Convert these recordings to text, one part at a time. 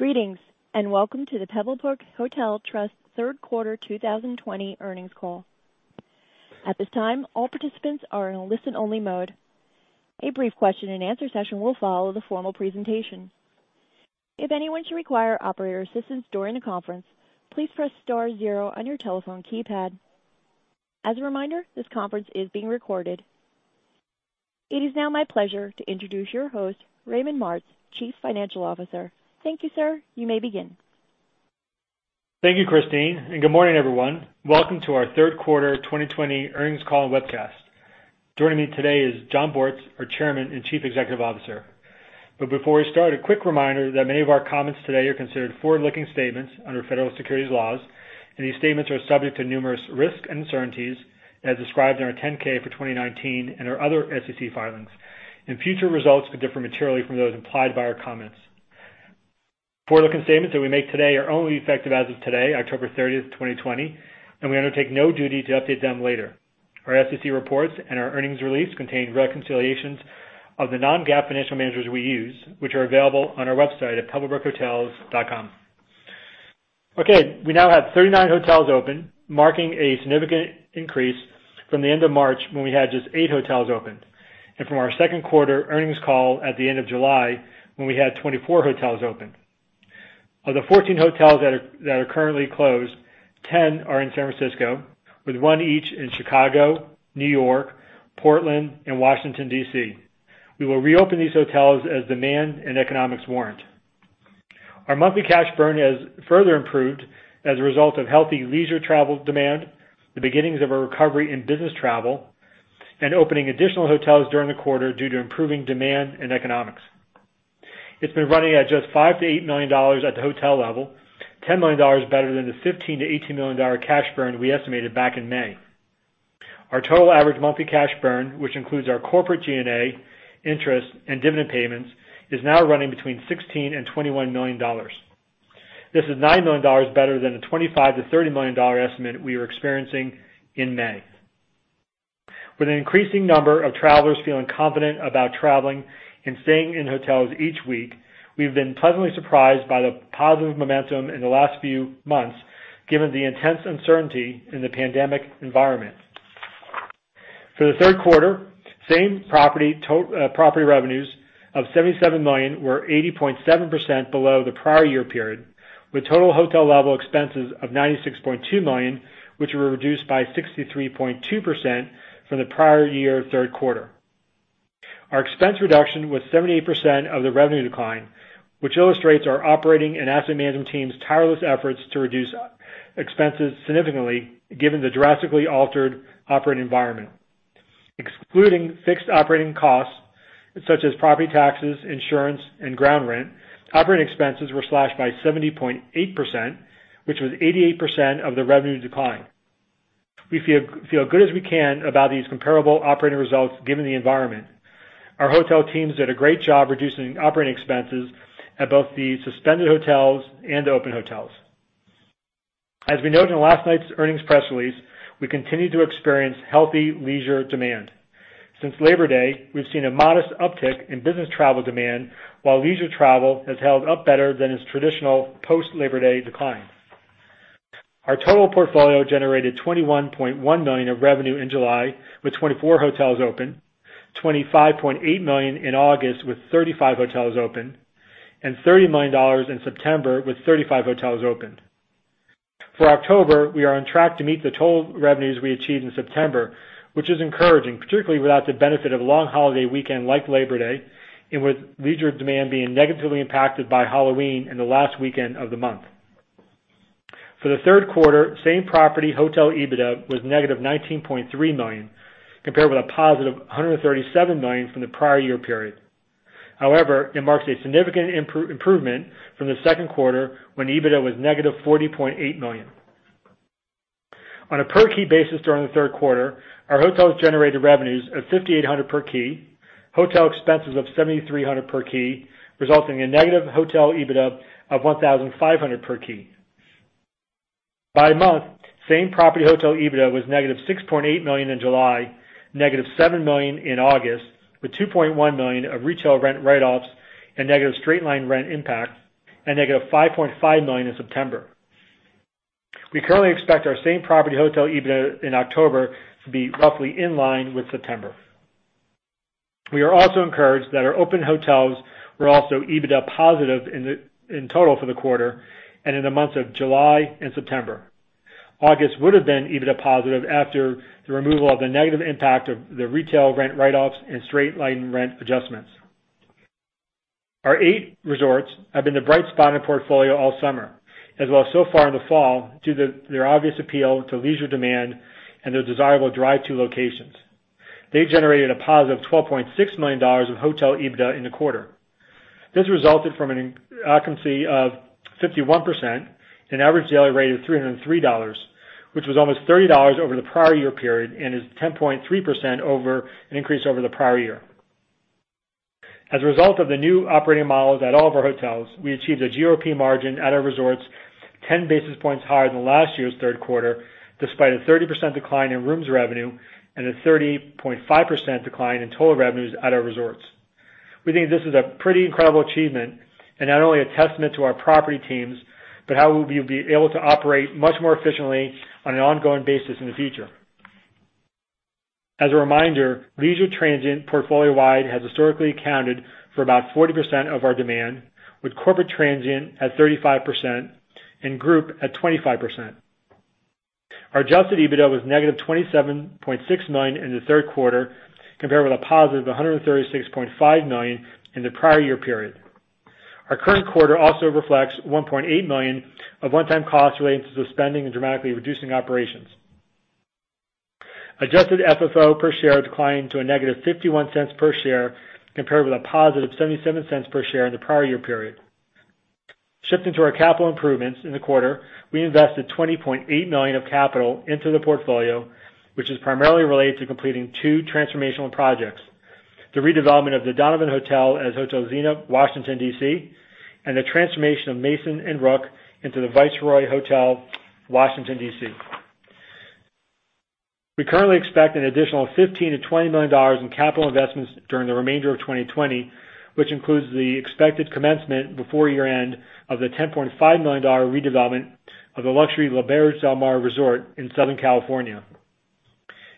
Greetings, and welcome to the Pebblebrook Hotel Trust Third Quarter 2020 Earnings Call. At this time, all participants are in a listen-only mode. A brief question and answer session will follow the formal presentation. If anyone should require operator assistance during the conference, please press star zero on your telephone keypad. As a reminder, this conference is being recorded. It is now my pleasure to introduce your host, Raymond Martz, Chief Financial Officer. Thank you, sir. You may begin. Thank you, Christine. Good morning, everyone. Welcome to our third quarter 2020 earnings call and webcast. Joining me today is Jon Bortz, our Chairman and Chief Executive Officer. Before we start, a quick reminder that many of our comments today are considered forward-looking statements under federal securities laws, and these statements are subject to numerous risks and uncertainties as described in our 10-K for 2019 and our other SEC filings, and future results could differ materially from those implied by our comments. Forward-looking statements that we make today are only effective as of today, October 30th, 2020, and we undertake no duty to update them later. Our SEC reports and our earnings release contain reconciliations of the non-GAAP financial measures we use, which are available on our website at pebblebrookhotels.com. Okay, we now have 39 hotels open, marking a significant increase from the end of March when we had just eight hotels open, and from our second quarter earnings call at the end of July when we had 24 hotels open. Of the 14 hotels that are currently closed, 10 are in San Francisco, with one each in Chicago, New York, Portland, and Washington, D.C. We will reopen these hotels as demand and economics warrant. Our monthly cash burn has further improved as a result of healthy leisure travel demand, the beginnings of a recovery in business travel, and opening additional hotels during the quarter due to improving demand and economics. It's been running at just $5 million-$8 million at the hotel level, $10 million better than the $15 million-$18 million cash burn we estimated back in May. Our total average monthly cash burn, which includes our corporate G&A, interest, and dividend payments, is now running between $16 million and $21 million. This is $9 million better than the $25 million to $30 million estimate we were experiencing in May. With an increasing number of travelers feeling confident about traveling and staying in hotels each week, we've been pleasantly surprised by the positive momentum in the last few months given the intense uncertainty in the pandemic environment. For the third quarter, same property revenues of $77 million were 80.7% below the prior year period, with total hotel level expenses of $96.2 million, which were reduced by 63.2% from the prior year third quarter. Our expense reduction was 78% of the revenue decline, which illustrates our operating and asset management team's tireless efforts to reduce expenses significantly given the drastically altered operating environment. Excluding fixed operating costs such as property taxes, insurance, and ground rent, operating expenses were slashed by 70.8%, which was 88% of the revenue decline. We feel good as we can about these comparable operating results given the environment. Our hotel teams did a great job reducing operating expenses at both the suspended hotels and open hotels. As we noted in last night's earnings press release, we continue to experience healthy leisure demand. Since Labor Day, we've seen a modest uptick in business travel demand, while leisure travel has held up better than its traditional post-Labor Day decline. Our total portfolio generated $21.1 million of revenue in July with 24 hotels open, $25.8 million in August with 35 hotels open, and $30 million in September with 35 hotels open. For October, we are on track to meet the total revenues we achieved in September, which is encouraging, particularly without the benefit of a long holiday weekend like Labor Day and with leisure demand being negatively impacted by Halloween and the last weekend of the month. For the third quarter, same property hotel EBITDA was negative $19.3 million, compared with a positive $137 million from the prior year period. However, it marks a significant improvement from the second quarter, when EBITDA was negative $40.8 million. On a per key basis during the third quarter, our hotels generated revenues of $5,800 per key, hotel expenses of $7,300 per key, resulting in negative hotel EBITDA of $1,500 per key. By month, same property hotel EBITDA was negative $6.8 million in July, negative $7 million in August, with $2.1 million of retail rent write-offs and negative straight-line rent impact, and negative $5.5 million in September. We currently expect our same property hotel EBITDA in October to be roughly in line with September. We are also encouraged that our open hotels were also EBITDA positive in total for the quarter and in the months of July and September. August would have been EBITDA positive after the removal of the negative impact of the retail rent write-offs and straight-line rent adjustments. Our eight resorts have been the bright spot in portfolio all summer, as well as so far in the fall, due to their obvious appeal to leisure demand and their desirable drive-to locations. They generated a positive $12.6 million of hotel EBITDA in the quarter. This resulted from an occupancy of 51% and an average daily rate of $303, which was almost $30 over the prior year period and is 10.3% increase over the prior year. As a result of the new operating models at all of our hotels, we achieved a GOP margin at our resorts of 10 basis points higher than last year's third quarter, despite a 30% decline in rooms revenue and a 30.5% decline in total revenues at our resorts. We think this is a pretty incredible achievement, and not only a testament to our property teams, but how we'll be able to operate much more efficiently on an ongoing basis in the future. As a reminder, leisure transient portfolio wide has historically accounted for about 40% of our demand, with corporate transient at 35% and group at 25%. Our adjusted EBITDA was negative $27.6 million in the third quarter compared with a positive $136.5 million in the prior year period. Our current quarter also reflects $1.8 million of one-time costs related to suspending and dramatically reducing operations. Adjusted FFO per share declined to a negative $0.51 per share compared with a positive $0.77 per share in the prior year period. Shifting to our capital improvements in the quarter, we invested $20.8 million of capital into the portfolio, which is primarily related to completing two transformational projects, the redevelopment of the Donovan Hotel as Hotel Zena Washington DC, and the transformation of Mason & Rook into the Viceroy Washington DC. We currently expect an additional $15 million-$20 million in capital investments during the remainder of 2020, which includes the expected commencement before year-end of the $10.5 million redevelopment of the luxury L'Auberge Del Mar Resort in Southern California.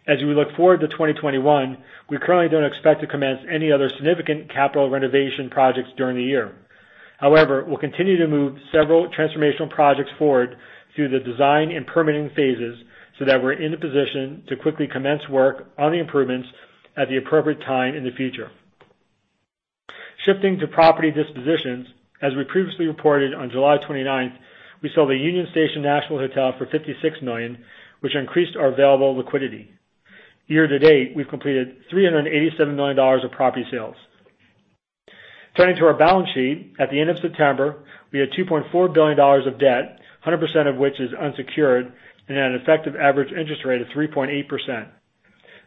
As we look forward to 2021, we currently don't expect to commence any other significant capital renovation projects during the year. However, we'll continue to move several transformational projects forward through the design and permitting phases so that we're in the position to quickly commence work on the improvements at the appropriate time in the future. Shifting to property dispositions, as we previously reported on July 29th, we sold the Union Station Nashville Hotel for $56 million, which increased our available liquidity. Year to date, we've completed $387 million of property sales. Turning to our balance sheet, at the end of September, we had $2.4 billion of debt, 100% of which is unsecured, and at an effective average interest rate of 3.8%.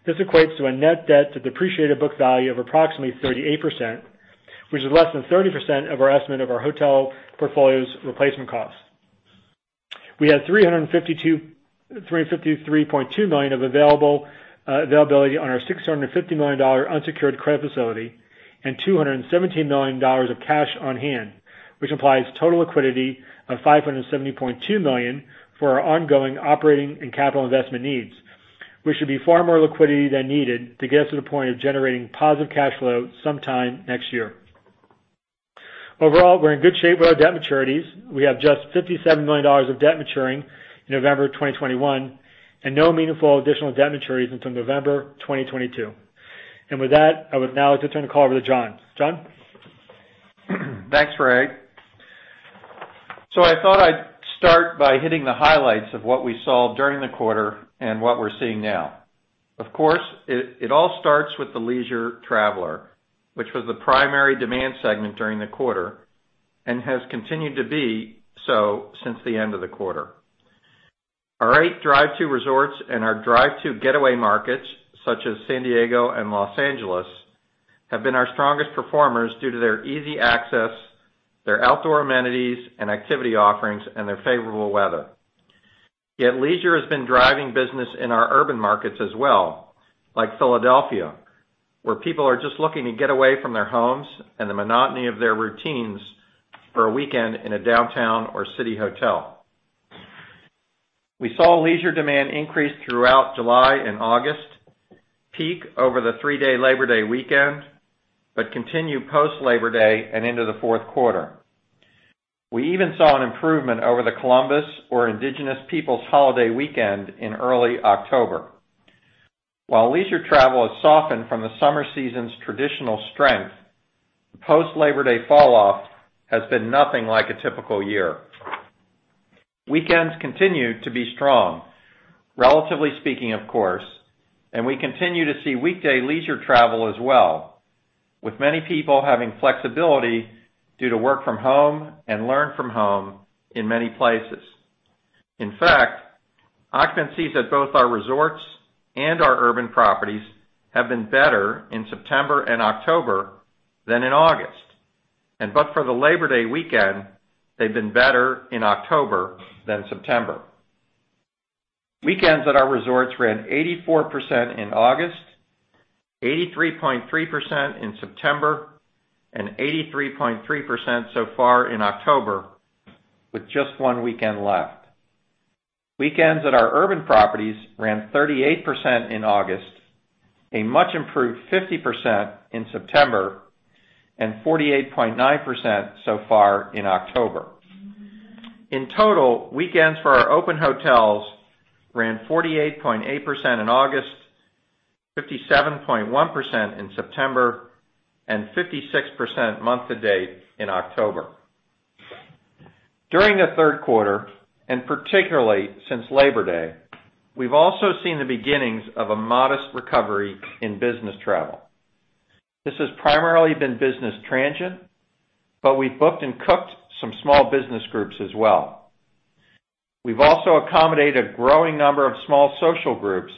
This equates to a net debt to depreciated book value of approximately 38%, which is less than 30% of our estimate of our hotel portfolio's replacement cost. We had $353.2 million of availability on our $650 million unsecured credit facility and $217 million of cash on hand, which implies total liquidity of $570.2 million for our ongoing operating and capital investment needs. We should be far more liquidity than needed to get us to the point of generating positive cash flow sometime next year. Overall, we're in good shape with our debt maturities. We have just $57 million of debt maturing in November 2021 and no meaningful additional debt maturities until November 2022. With that, I would now like to turn the call over to Jon. Jon? Thanks, Ray. I thought I'd start by hitting the highlights of what we saw during the quarter and what we're seeing now. Of course, it all starts with the leisure traveler, which was the primary demand segment during the quarter and has continued to be so since the end of the quarter. Our eight drive to resorts and our drive to getaway markets such as San Diego and Los Angeles, have been our strongest performers due to their easy access, their outdoor amenities and activity offerings, and their favorable weather. Yet leisure has been driving business in our urban markets as well, like Philadelphia, where people are just looking to get away from their homes and the monotony of their routines for a weekend in a downtown or city hotel. We saw leisure demand increase throughout July and August, peak over the three-day Labor Day weekend, but continue post Labor Day and into the fourth quarter. We even saw an improvement over the Columbus or Indigenous Peoples holiday weekend in early October. While leisure travel has softened from the summer season's traditional strength, the post Labor Day falloff has been nothing like a typical year. Weekends continue to be strong, relatively speaking, of course, and we continue to see weekday leisure travel as well, with many people having flexibility due to work from home and learn from home in many places. In fact, occupancies at both our resorts and our urban properties have been better in September and October than in August. But for the Labor Day weekend, they've been better in October than September. Weekends at our resorts ran 84% in August, 83.3% in September, and 83.3% so far in October with just one weekend left. Weekends at our urban properties ran 38% in August, a much improved 50% in September, and 48.9% so far in October. In total, weekends for our open hotels ran 48.8% in August, 57.1% in September, and 56% month to date in October. During the third quarter, and particularly since Labor Day, we've also seen the beginnings of a modest recovery in business travel. This has primarily been business transient, but we've booked and cooked some small business groups as well. We've also accommodated a growing number of small social groups,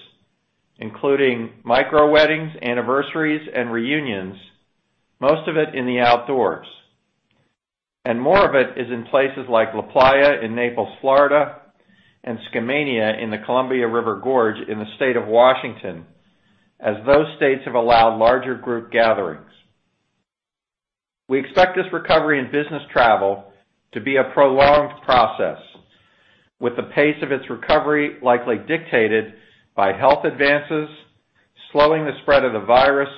including micro weddings, anniversaries, and reunions, most of it in the outdoors. More of it is in places like LaPlaya in Naples, Florida, and Skamania in the Columbia River Gorge in the State of Washington, as those states have allowed larger group gatherings. We expect this recovery in business travel to be a prolonged process, with the pace of its recovery likely dictated by health advances, slowing the spread of the virus,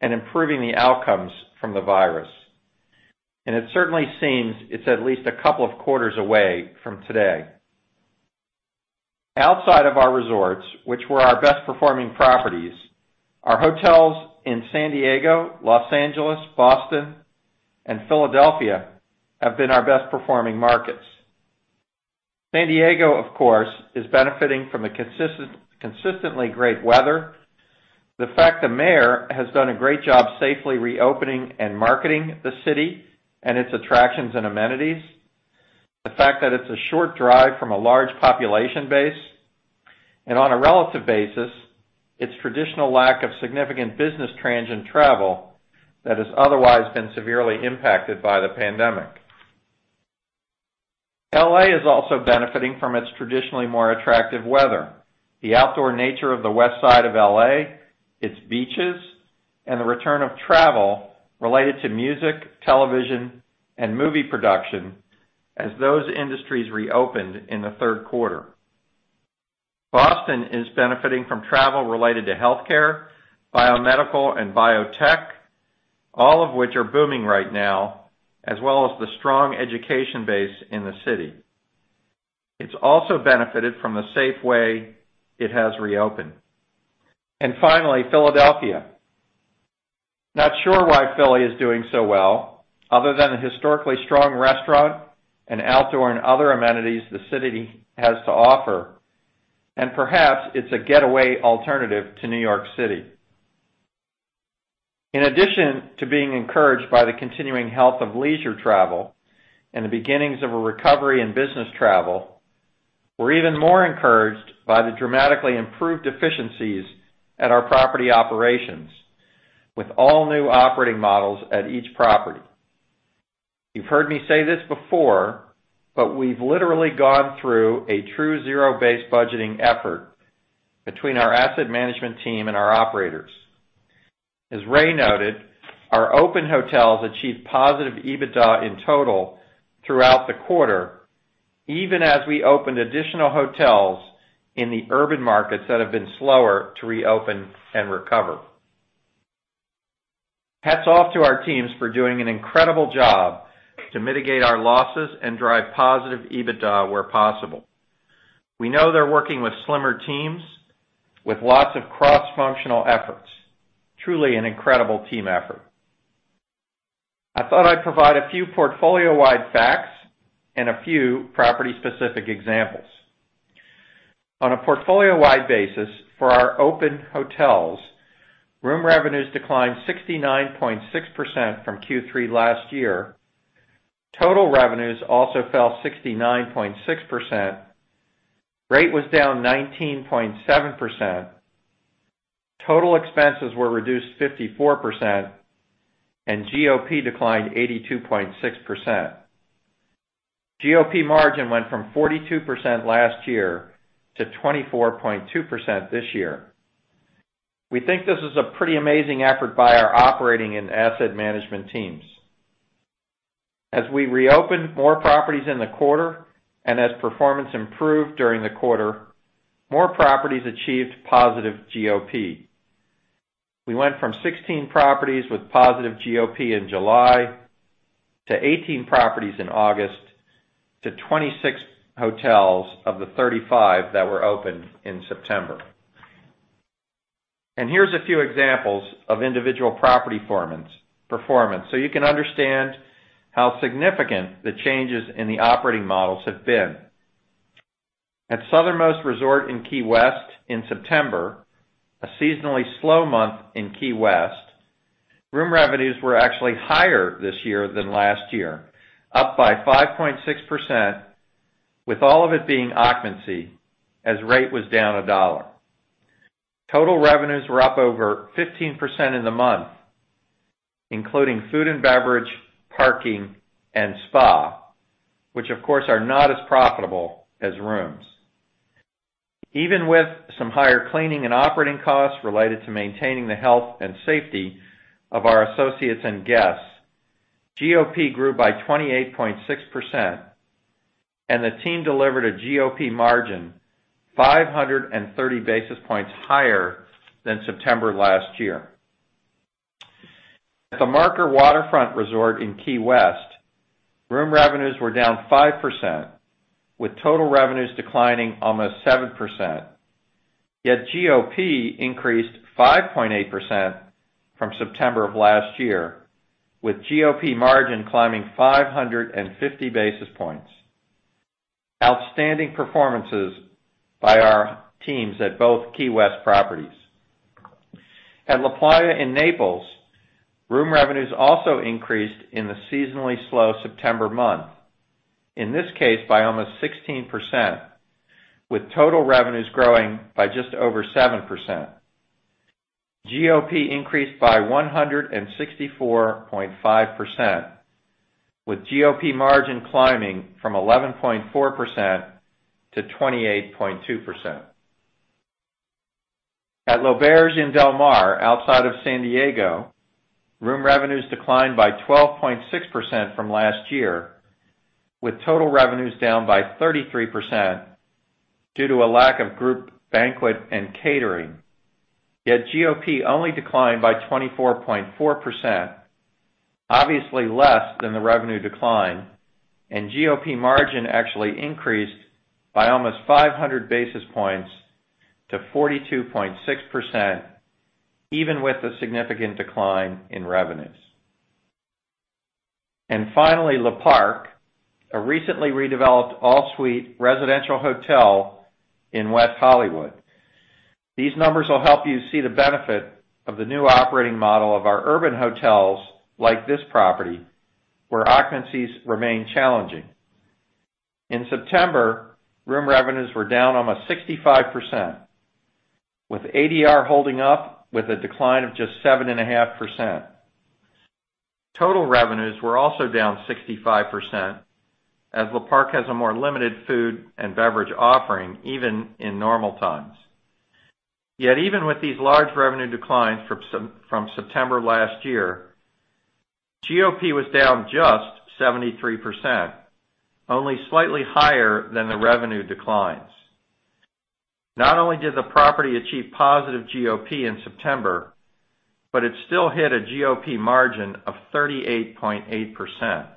and improving the outcomes from the virus. It certainly seems it's at least a couple of quarters away from today. Outside of our resorts, which were our best performing properties, our hotels in San Diego, Los Angeles, Boston, and Philadelphia have been our best performing markets. San Diego, of course, is benefiting from the consistently great weather, the fact the mayor has done a great job safely reopening and marketing the city and its attractions and amenities, the fact that it's a short drive from a large population base, and on a relative basis, its traditional lack of significant business transient travel that has otherwise been severely impacted by the pandemic. L.A. is also benefiting from its traditionally more attractive weather, the outdoor nature of the West Side of L.A., its beaches, and the return of travel related to music, television, and movie production as those industries reopened in the third quarter. Boston is benefiting from travel related to healthcare, biomedical, and biotech, all of which are booming right now, as well as the strong education base in the city. It's also benefited from the safe way it has reopened. Finally, Philadelphia. Not sure why Philly is doing so well other than the historically strong restaurant and outdoor and other amenities the city has to offer, and perhaps it's a getaway alternative to New York City. In addition to being encouraged by the continuing health of leisure travel and the beginnings of a recovery in business travel, we're even more encouraged by the dramatically improved efficiencies at our property operations with all new operating models at each property. You've heard me say this before, but we've literally gone through a true zero-based budgeting effort between our asset management team and our operators. As Ray noted, our open hotels achieved positive EBITDA in total throughout the quarter, even as we opened additional hotels in the urban markets that have been slower to reopen and recover. Hats off to our teams for doing an incredible job to mitigate our losses and drive positive EBITDA where possible. We know they're working with slimmer teams, with lots of cross-functional efforts. Truly an incredible team effort. I thought I'd provide a few portfolio-wide facts and a few property-specific examples. On a portfolio-wide basis for our open hotels, room revenues declined 69.6% from Q3 last year. Total revenues also fell 69.6%. Rate was down 19.7%. Total expenses were reduced 54%, and GOP declined 82.6%. GOP margin went from 42% last year to 24.2% this year. We think this is a pretty amazing effort by our operating and asset management teams. As we reopened more properties in the quarter and as performance improved during the quarter, more properties achieved positive GOP. We went from 16 properties with positive GOP in July to 18 properties in August to 26 hotels of the 35 that were opened in September. Here's a few examples of individual property performance, so you can understand how significant the changes in the operating models have been. At Southernmost Beach Resort in Key West in September, a seasonally slow month in Key West, room revenues were actually higher this year than last year, up by 5.6%, with all of it being occupancy as rate was down $1. Total revenues were up over 15% in the month, including food and beverage, parking, and spa, which, of course, are not as profitable as rooms. Even with some higher cleaning and operating costs related to maintaining the health and safety of our associates and guests, GOP grew by 28.6%, and the team delivered a GOP margin 530 basis points higher than September last year. At The Marker Waterfront Resort in Key West, room revenues were down 5%, with total revenues declining almost 7%, yet GOP increased 5.8% from September of last year, with GOP margin climbing 550 basis points. Outstanding performances by our teams at both Key West properties. At LaPlaya in Naples, room revenues also increased in the seasonally slow September month, in this case, by almost 16%, with total revenues growing by just over 7%. GOP increased by 164.5%, with GOP margin climbing from 11.4% to 28.2%. At L'Auberge in Del Mar, outside of San Diego, room revenues declined by 12.6% from last year, with total revenues down by 33% due to a lack of group banquet and catering. GOP only declined by 24.4%, obviously less than the revenue decline, and GOP margin actually increased by almost 500 basis points to 42.6%, even with the significant decline in revenues. Finally, Le Parc, a recently redeveloped all-suite residential hotel in West Hollywood. These numbers will help you see the benefit of the new operating model of our urban hotels like this property, where occupancies remain challenging. In September, room revenues were down almost 65%, with ADR holding up with a decline of just 7.5%. Total revenues were also down 65%, as Le Parc has a more limited food and beverage offering, even in normal times. Yet, even with these large revenue declines from September last year, GOP was down just 73%, only slightly higher than the revenue declines. Not only did the property achieve positive GOP in September, but it still hit a GOP margin of 38.8%.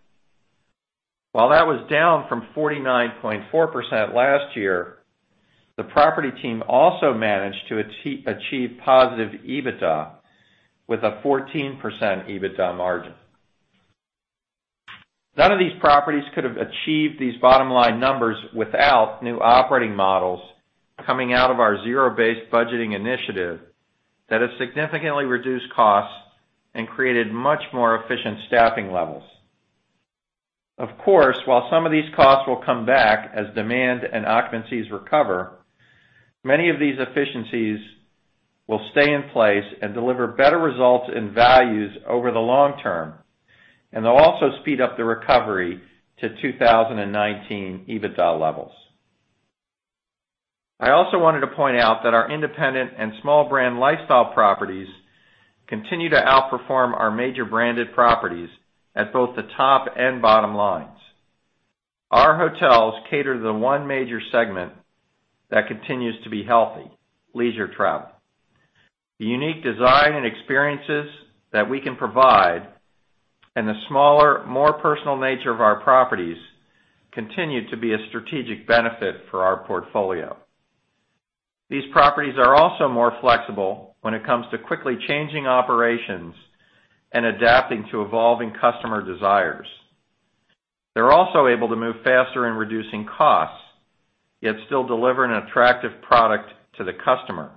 While that was down from 49.4% last year, the property team also managed to achieve positive EBITDA with a 14% EBITDA margin. None of these properties could have achieved these bottom-line numbers without new operating models coming out of our zero-based budgeting initiative that has significantly reduced costs and created much more efficient staffing levels. Of course, while some of these costs will come back as demand and occupancies recover, many of these efficiencies will stay in place and deliver better results and values over the long term, and they'll also speed up the recovery to 2019 EBITDA levels. I also wanted to point out that our independent and small brand lifestyle properties continue to outperform our major branded properties at both the top and bottom lines. Our hotels cater to the one major segment that continues to be healthy, leisure travel. The unique design and experiences that we can provide and the smaller, more personal nature of our properties continue to be a strategic benefit for our portfolio. These properties are also more flexible when it comes to quickly changing operations and adapting to evolving customer desires. They're also able to move faster in reducing costs, yet still deliver an attractive product to the customer,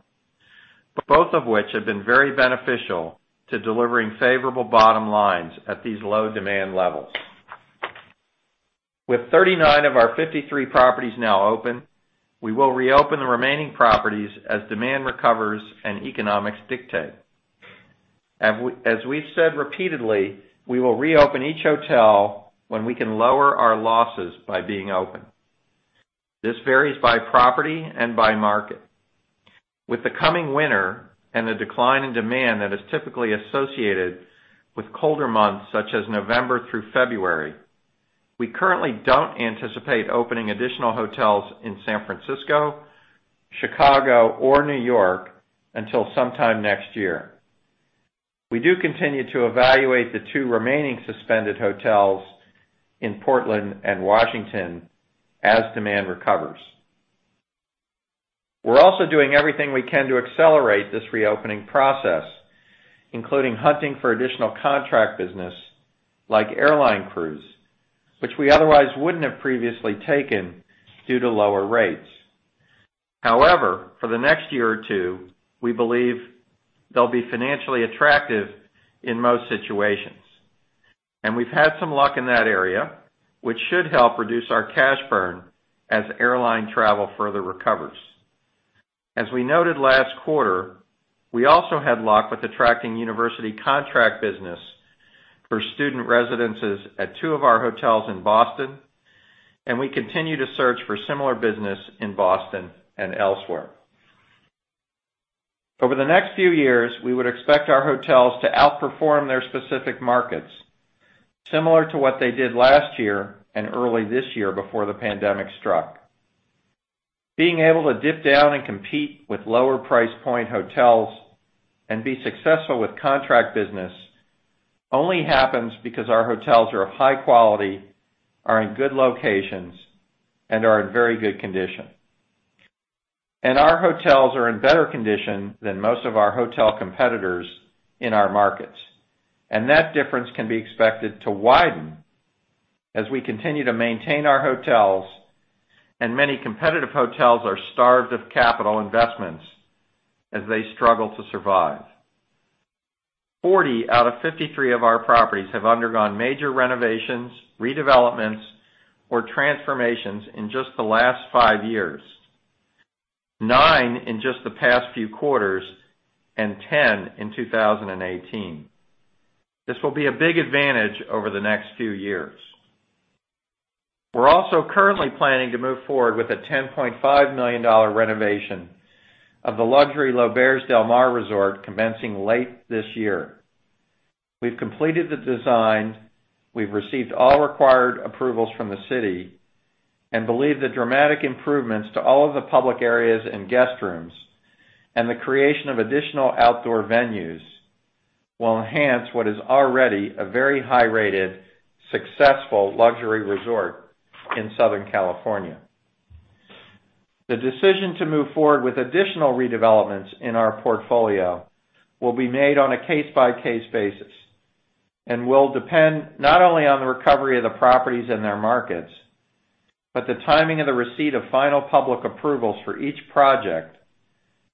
both of which have been very beneficial to delivering favorable bottom lines at these low demand levels. With 39 of our 53 properties now open, we will reopen the remaining properties as demand recovers and economics dictate. As we've said repeatedly, we will reopen each hotel when we can lower our losses by being open. This varies by property and by market. With the coming winter and the decline in demand that is typically associated with colder months such as November through February, we currently don't anticipate opening additional hotels in San Francisco, Chicago, or New York until sometime next year. We do continue to evaluate the two remaining suspended hotels in Portland and Washington as demand recovers. We're also doing everything we can to accelerate this reopening process, including hunting for additional contract business like airline crews, which we otherwise wouldn't have previously taken due to lower rates. However, for the next year or two, we believe they'll be financially attractive in most situations. We've had some luck in that area, which should help reduce our cash burn as airline travel further recovers. As we noted last quarter, we also had luck with attracting university contract business for student residences at two of our hotels in Boston. We continue to search for similar business in Boston and elsewhere. Over the next few years, we would expect our hotels to outperform their specific markets, similar to what they did last year and early this year before the pandemic struck. Being able to dip down and compete with lower price point hotels and be successful with contract business only happens because our hotels are of high quality, are in good locations, and are in very good condition. Our hotels are in better condition than most of our hotel competitors in our markets, and that difference can be expected to widen as we continue to maintain our hotels, and many competitive hotels are starved of capital investments as they struggle to survive. 40 out of 53 of our properties have undergone major renovations, redevelopments, or transformations in just the last five years. nine in just the past few quarters and 10 in 2018. This will be a big advantage over the next few years. We're also currently planning to move forward with a $10.5 million renovation of the luxury L'Auberge Del Mar resort commencing late this year. We've completed the design, we've received all required approvals from the city, and believe the dramatic improvements to all of the public areas and guest rooms, and the creation of additional outdoor venues, will enhance what is already a very high-rated, successful luxury resort in Southern California. The decision to move forward with additional redevelopments in our portfolio will be made on a case-by-case basis, and will depend not only on the recovery of the properties and their markets, but the timing of the receipt of final public approvals for each project,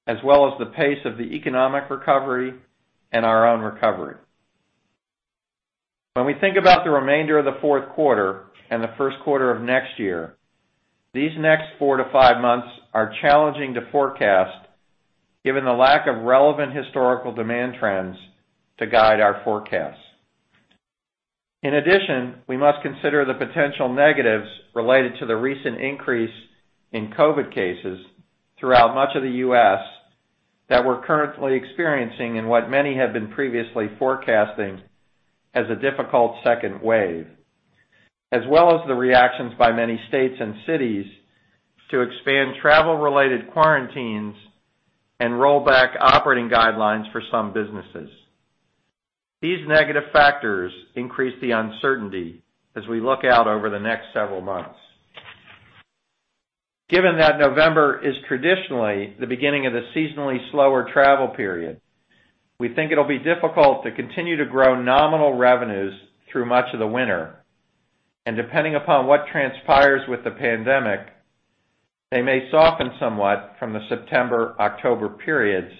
as well as the pace of the economic recovery and our own recovery. When we think about the remainder of the fourth quarter and the first quarter of next year, these next four to five months are challenging to forecast given the lack of relevant historical demand trends to guide our forecasts. In addition, we must consider the potential negatives related to the recent increase in COVID cases throughout much of the U.S. that we're currently experiencing in what many had been previously forecasting as a difficult second wave, as well as the reactions by many states and cities to expand travel-related quarantines and roll back operating guidelines for some businesses. These negative factors increase the uncertainty as we look out over the next several months. Given that November is traditionally the beginning of the seasonally slower travel period, we think it'll be difficult to continue to grow nominal revenues through much of the winter, and depending upon what transpires with the pandemic, they may soften somewhat from the September-October periods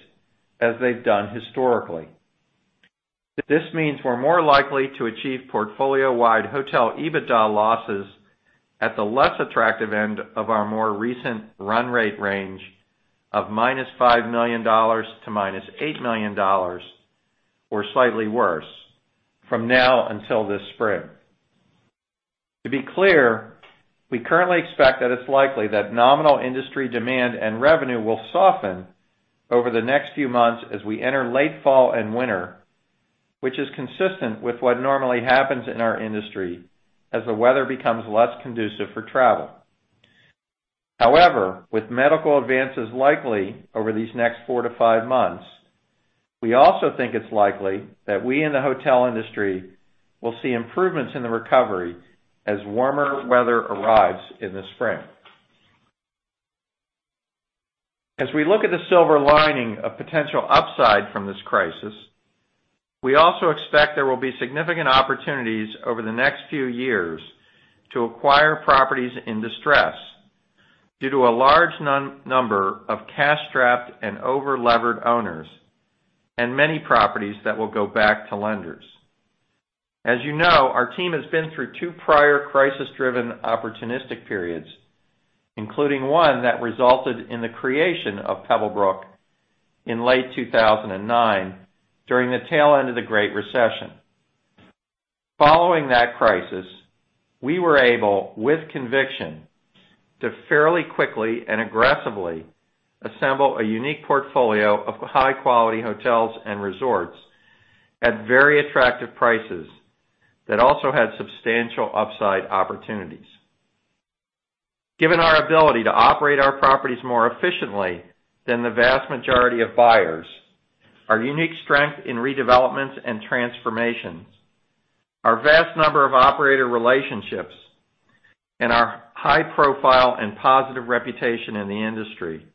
as they've done historically. This means we're more likely to achieve portfolio-wide hotel EBITDA losses at the less attractive end of our more recent run rate range of $-5 million to $-8 million or slightly worse from now until this spring. To be clear, we currently expect that it's likely that nominal industry demand and revenue will soften over the next few months as we enter late fall and winter, which is consistent with what normally happens in our industry as the weather becomes less conducive for travel. However, with medical advances likely over these next four to five months, we also think it's likely that we in the hotel industry will see improvements in the recovery as warmer weather arrives in the spring. As we look at the silver lining of potential upside from this crisis, we also expect there will be significant opportunities over the next few years to acquire properties in distress due to a large number of cash-strapped and over-levered owners, and many properties that will go back to lenders. As you know, our team has been through two prior crisis-driven opportunistic periods, including one that resulted in the creation of Pebblebrook in late 2009 during the tail end of the Great Recession. Following that crisis, we were able, with conviction, to fairly quickly and aggressively assemble a unique portfolio of high-quality hotels and resorts at very attractive prices that also had substantial upside opportunities. Given our ability to operate our properties more efficiently than the vast majority of buyers, our unique strength in redevelopments and transformations, our vast number of operator relationships, and our high profile and positive reputation in the industry,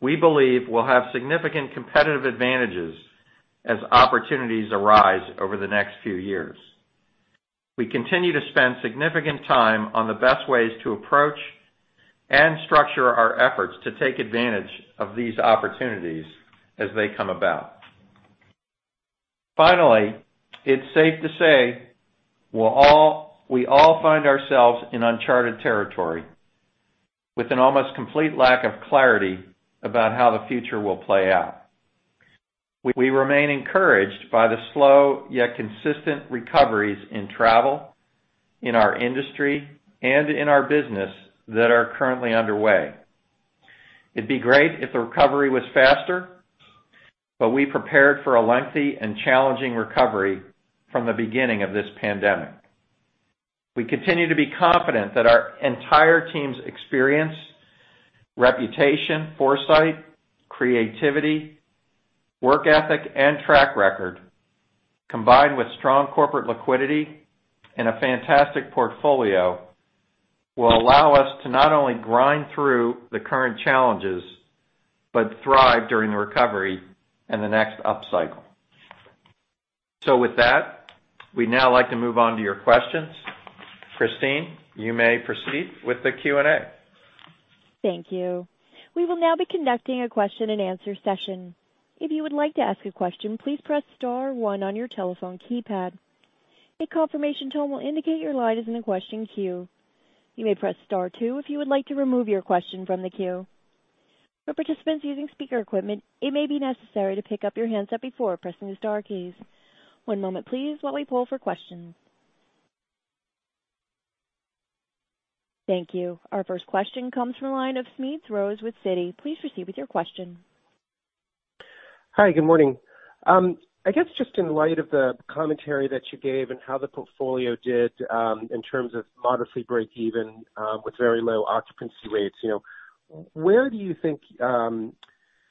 we believe we'll have significant competitive advantages as opportunities arise over the next few years. We continue to spend significant time on the best ways to approach and structure our efforts to take advantage of these opportunities as they come about. Finally, it's safe to say we all find ourselves in uncharted territory with an almost complete lack of clarity about how the future will play out. We remain encouraged by the slow yet consistent recoveries in travel, in our industry, and in our business that are currently underway. It'd be great if the recovery was faster, but we prepared for a lengthy and challenging recovery from the beginning of this pandemic. We continue to be confident that our entire team's experience, reputation, foresight, creativity, work ethic, and track record, combined with strong corporate liquidity and a fantastic portfolio will allow us to not only grind through the current challenges, but thrive during the recovery and the next upcycle. With that, we'd now like to move on to your questions. Christine, you may proceed with the Q&A. Thank you. We will now be conducting a question and answer session. If you would like to ask a question, please press star and one on your telephone keypad. A confirmation tone will indicate your line is in the question queue. You may press star and two if you would like to remove your question from the queue. For participants using speaker equipment, it may be necessary to pick up your handset before pressing the star keys. One moment please while we poll for question. Thank you. Our first question comes from the line of Smedes Rose with Citi. Please proceed with your question. Hi, good morning. I guess, just in light of the commentary that you gave and how the portfolio did, in terms of modestly break even with very low occupancy rates,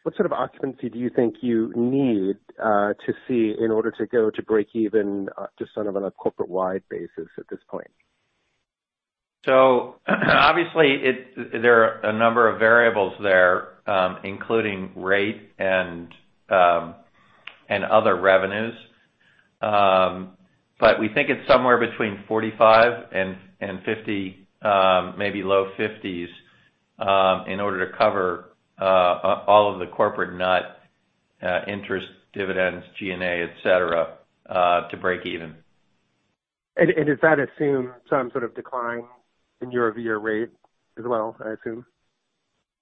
what sort of occupancy do you think you need to see in order to go to break even just sort of on a corporate-wide basis at this point? Obviously, there are a number of variables there, including rate and other revenues. We think it's somewhere between 45 and $50, maybe low 50s, in order to cover all of the corporate nut, interest, dividends, G&A, et cetera, to break even. Does that assume some sort of decline in year-over-year rate as well, I assume?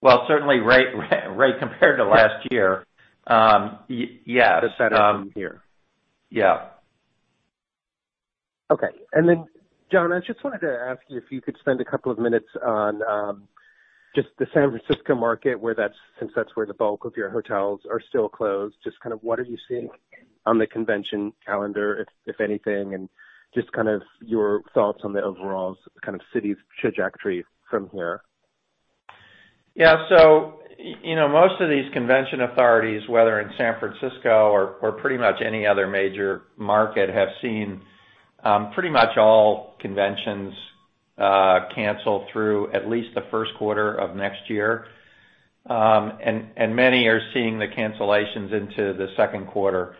Well, certainly rate compared to last year. Yeah. The second year. Yeah. Okay. Jon, I just wanted to ask you if you could spend a couple of minutes on just the San Francisco market since that's where the bulk of your hotels are still closed. Just kind of what are you seeing on the convention calendar, if anything, and just kind of your thoughts on the overall kind of city's trajectory from here. Yeah. Most of these convention authorities, whether in San Francisco or pretty much any other major market, have seen pretty much all conventions cancel through at least the first quarter of next year. Many are seeing the cancellations into the second quarter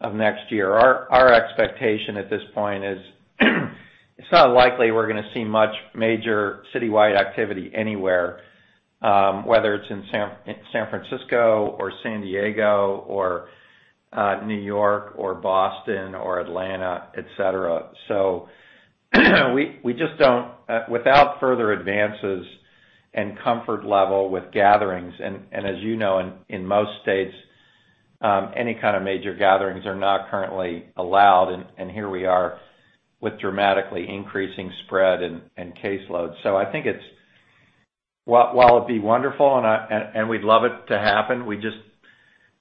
of next year. Our expectation at this point is it's not likely we're going to see much major citywide activity anywhere, whether it's in San Francisco or San Diego or New York or Boston or Atlanta, et cetera. Without further advances and comfort level with gatherings, and as you know, in most states, any kind of major gatherings are not currently allowed, and here we are with dramatically increasing spread and caseloads. I think while it'd be wonderful, and we'd love it to happen, we just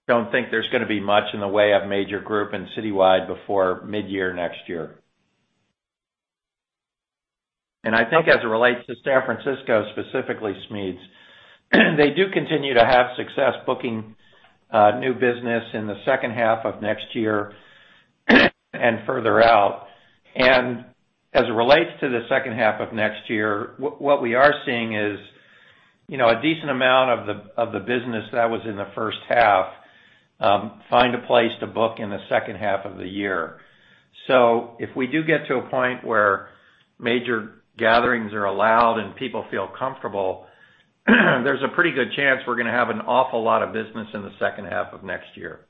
don't think there's going to be much in the way of major group and citywide before mid-year next year. I think as it relates to San Francisco, specifically Smedes, they do continue to have success booking new business in the second half of next year and further out. As it relates to the second half of next year, what we are seeing is a decent amount of the business that was in the first half find a place to book in the second half of the year. If we do get to a point where major gatherings are allowed and people feel comfortable, there's a pretty good chance we're going to have an awful lot of business in the second half of next year.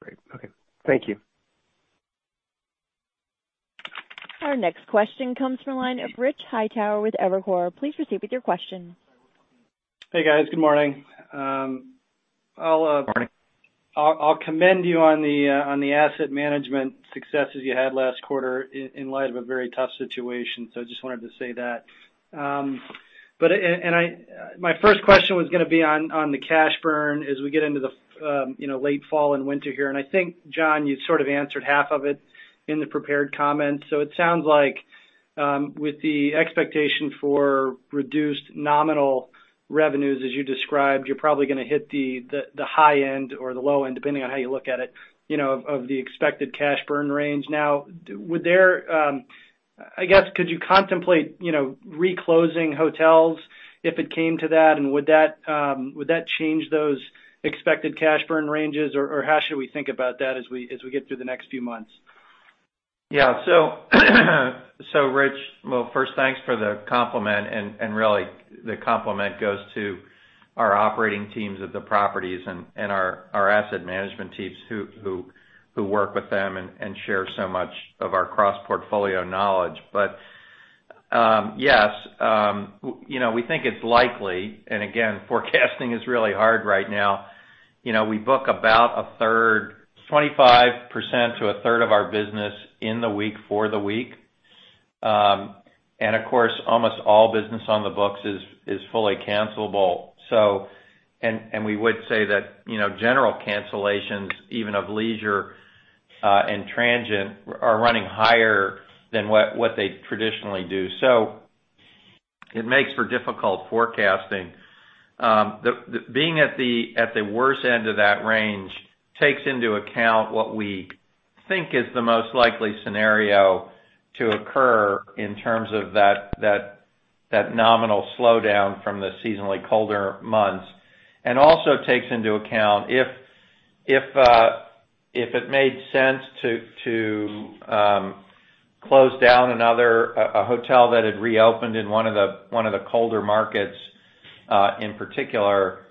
Great. Okay. Thank you. Our next question comes from the line of Rich Hightower with Evercore. Please proceed with your question. Hey, guys. Good morning. Morning. I'll commend you on the asset management successes you had last quarter in light of a very tough situation. I just wanted to say that. My first question was going to be on the cash burn as we get into the late fall and winter here. I think, Jon, you sort of answered half of it in the prepared comments. It sounds like, with the expectation for reduced nominal revenues as you described, you're probably going to hit the high end or the low end, depending on how you look at it, of the expected cash burn range. Now, I guess could you contemplate reclosing hotels if it came to that? Would that change those expected cash burn ranges, or how should we think about that as we get through the next few months? Rich, well, first thanks for the compliment, and really the compliment goes to our operating teams at the properties and our asset management teams who work with them and share so much of our cross-portfolio knowledge. Yes, we think it's likely, and again, forecasting is really hard right now. We book about a third, 25% to a third of our business in the week for the week. Of course, almost all business on the books is fully cancelable. We would say that general cancellations, even of leisure and transient, are running higher than what they traditionally do. It makes for difficult forecasting. Being at the worst end of that range takes into account what we think is the most likely scenario to occur in terms of that nominal slowdown from the seasonally colder months, and also takes into account if it made sense to close down a hotel that had reopened in one of the colder markets, in particular.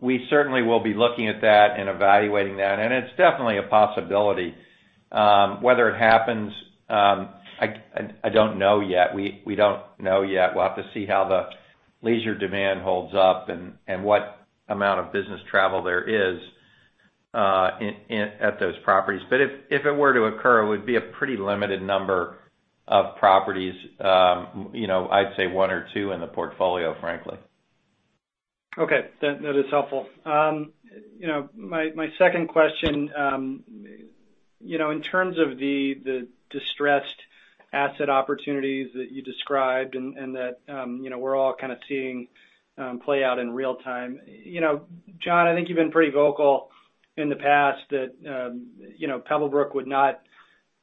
We certainly will be looking at that and evaluating that, and it's definitely a possibility. Whether it happens, I don't know yet. We don't know yet. We'll have to see how the leisure demand holds up and what amount of business travel there is at those properties. If it were to occur, it would be a pretty limited number of properties. I'd say one or two in the portfolio, frankly. Okay, that is helpful. My second question, in terms of the distressed asset opportunities that you described and that we're all kind of seeing play out in real-time, Jon, I think you've been pretty vocal in the past that Pebblebrook would not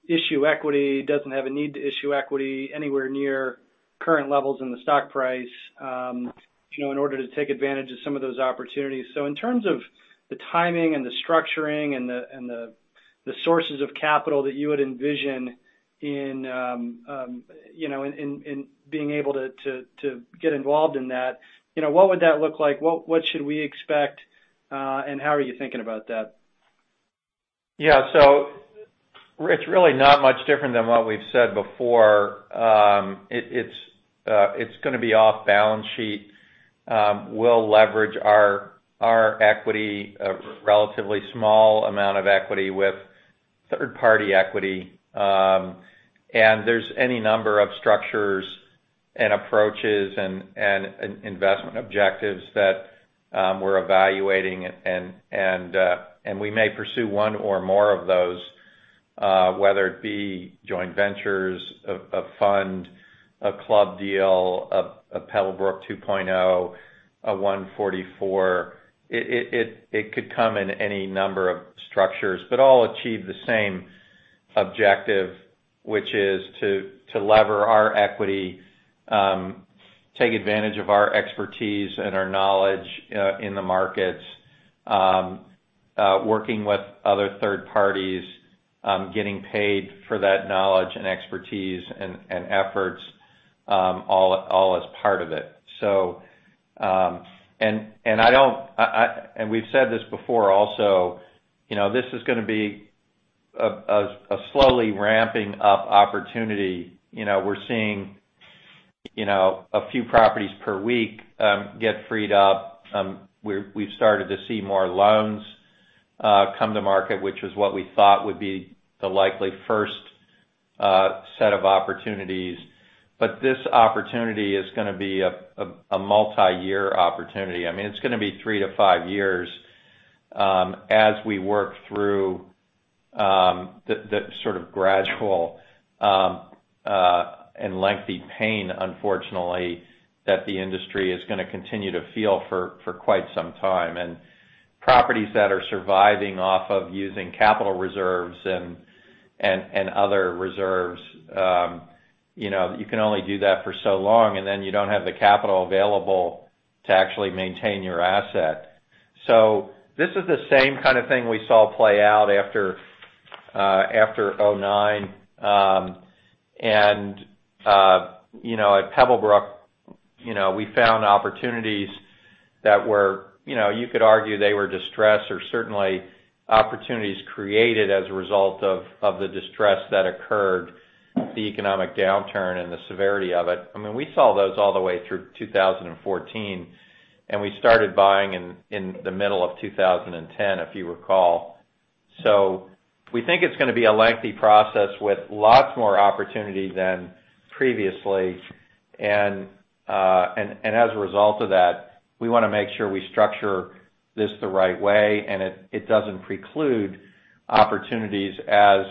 issue equity, doesn't have a need to issue equity anywhere near current levels in the stock price in order to take advantage of some of those opportunities. In terms of the timing and the structuring and the sources of capital that you would envision in being able to get involved in that, what would that look like? What should we expect, and how are you thinking about that? Yeah. It's really not much different than what we've said before. It's going to be off balance sheet. We'll leverage our equity, a relatively small amount of equity, with third-party equity. There's any number of structures and approaches and investment objectives that we're evaluating, and we may pursue one or more of those, whether it be joint ventures, a fund, a club deal, a Pebblebrook 2.0, a 144A. It could come in any number of structures, but all achieve the same objective, which is to lever our equity, take advantage of our expertise and our knowledge in the markets, working with other third parties, getting paid for that knowledge and expertise and efforts, all as part of it. We've said this before also, this is going to be a slowly ramping up opportunity. We're seeing a few properties per week get freed up. We've started to see more loans come to market, which is what we thought would be the likely first set of opportunities. This opportunity is going to be a multi-year opportunity. It's going to be three to five years as we work through the sort of gradual and lengthy pain, unfortunately, that the industry is going to continue to feel for quite some time. Properties that are surviving off of using capital reserves and other reserves, you can only do that for so long, and then you don't have the capital available to actually maintain your asset. This is the same kind of thing we saw play out after 2009. At Pebblebrook, we found opportunities that you could argue they were distressed or certainly opportunities created as a result of the distress that occurred, the economic downturn and the severity of it. We saw those all the way through 2014, and we started buying in the middle of 2010, if you recall. We think it's going to be a lengthy process with lots more opportunity than previously. As a result of that, we want to make sure we structure this the right way and it doesn't preclude opportunities as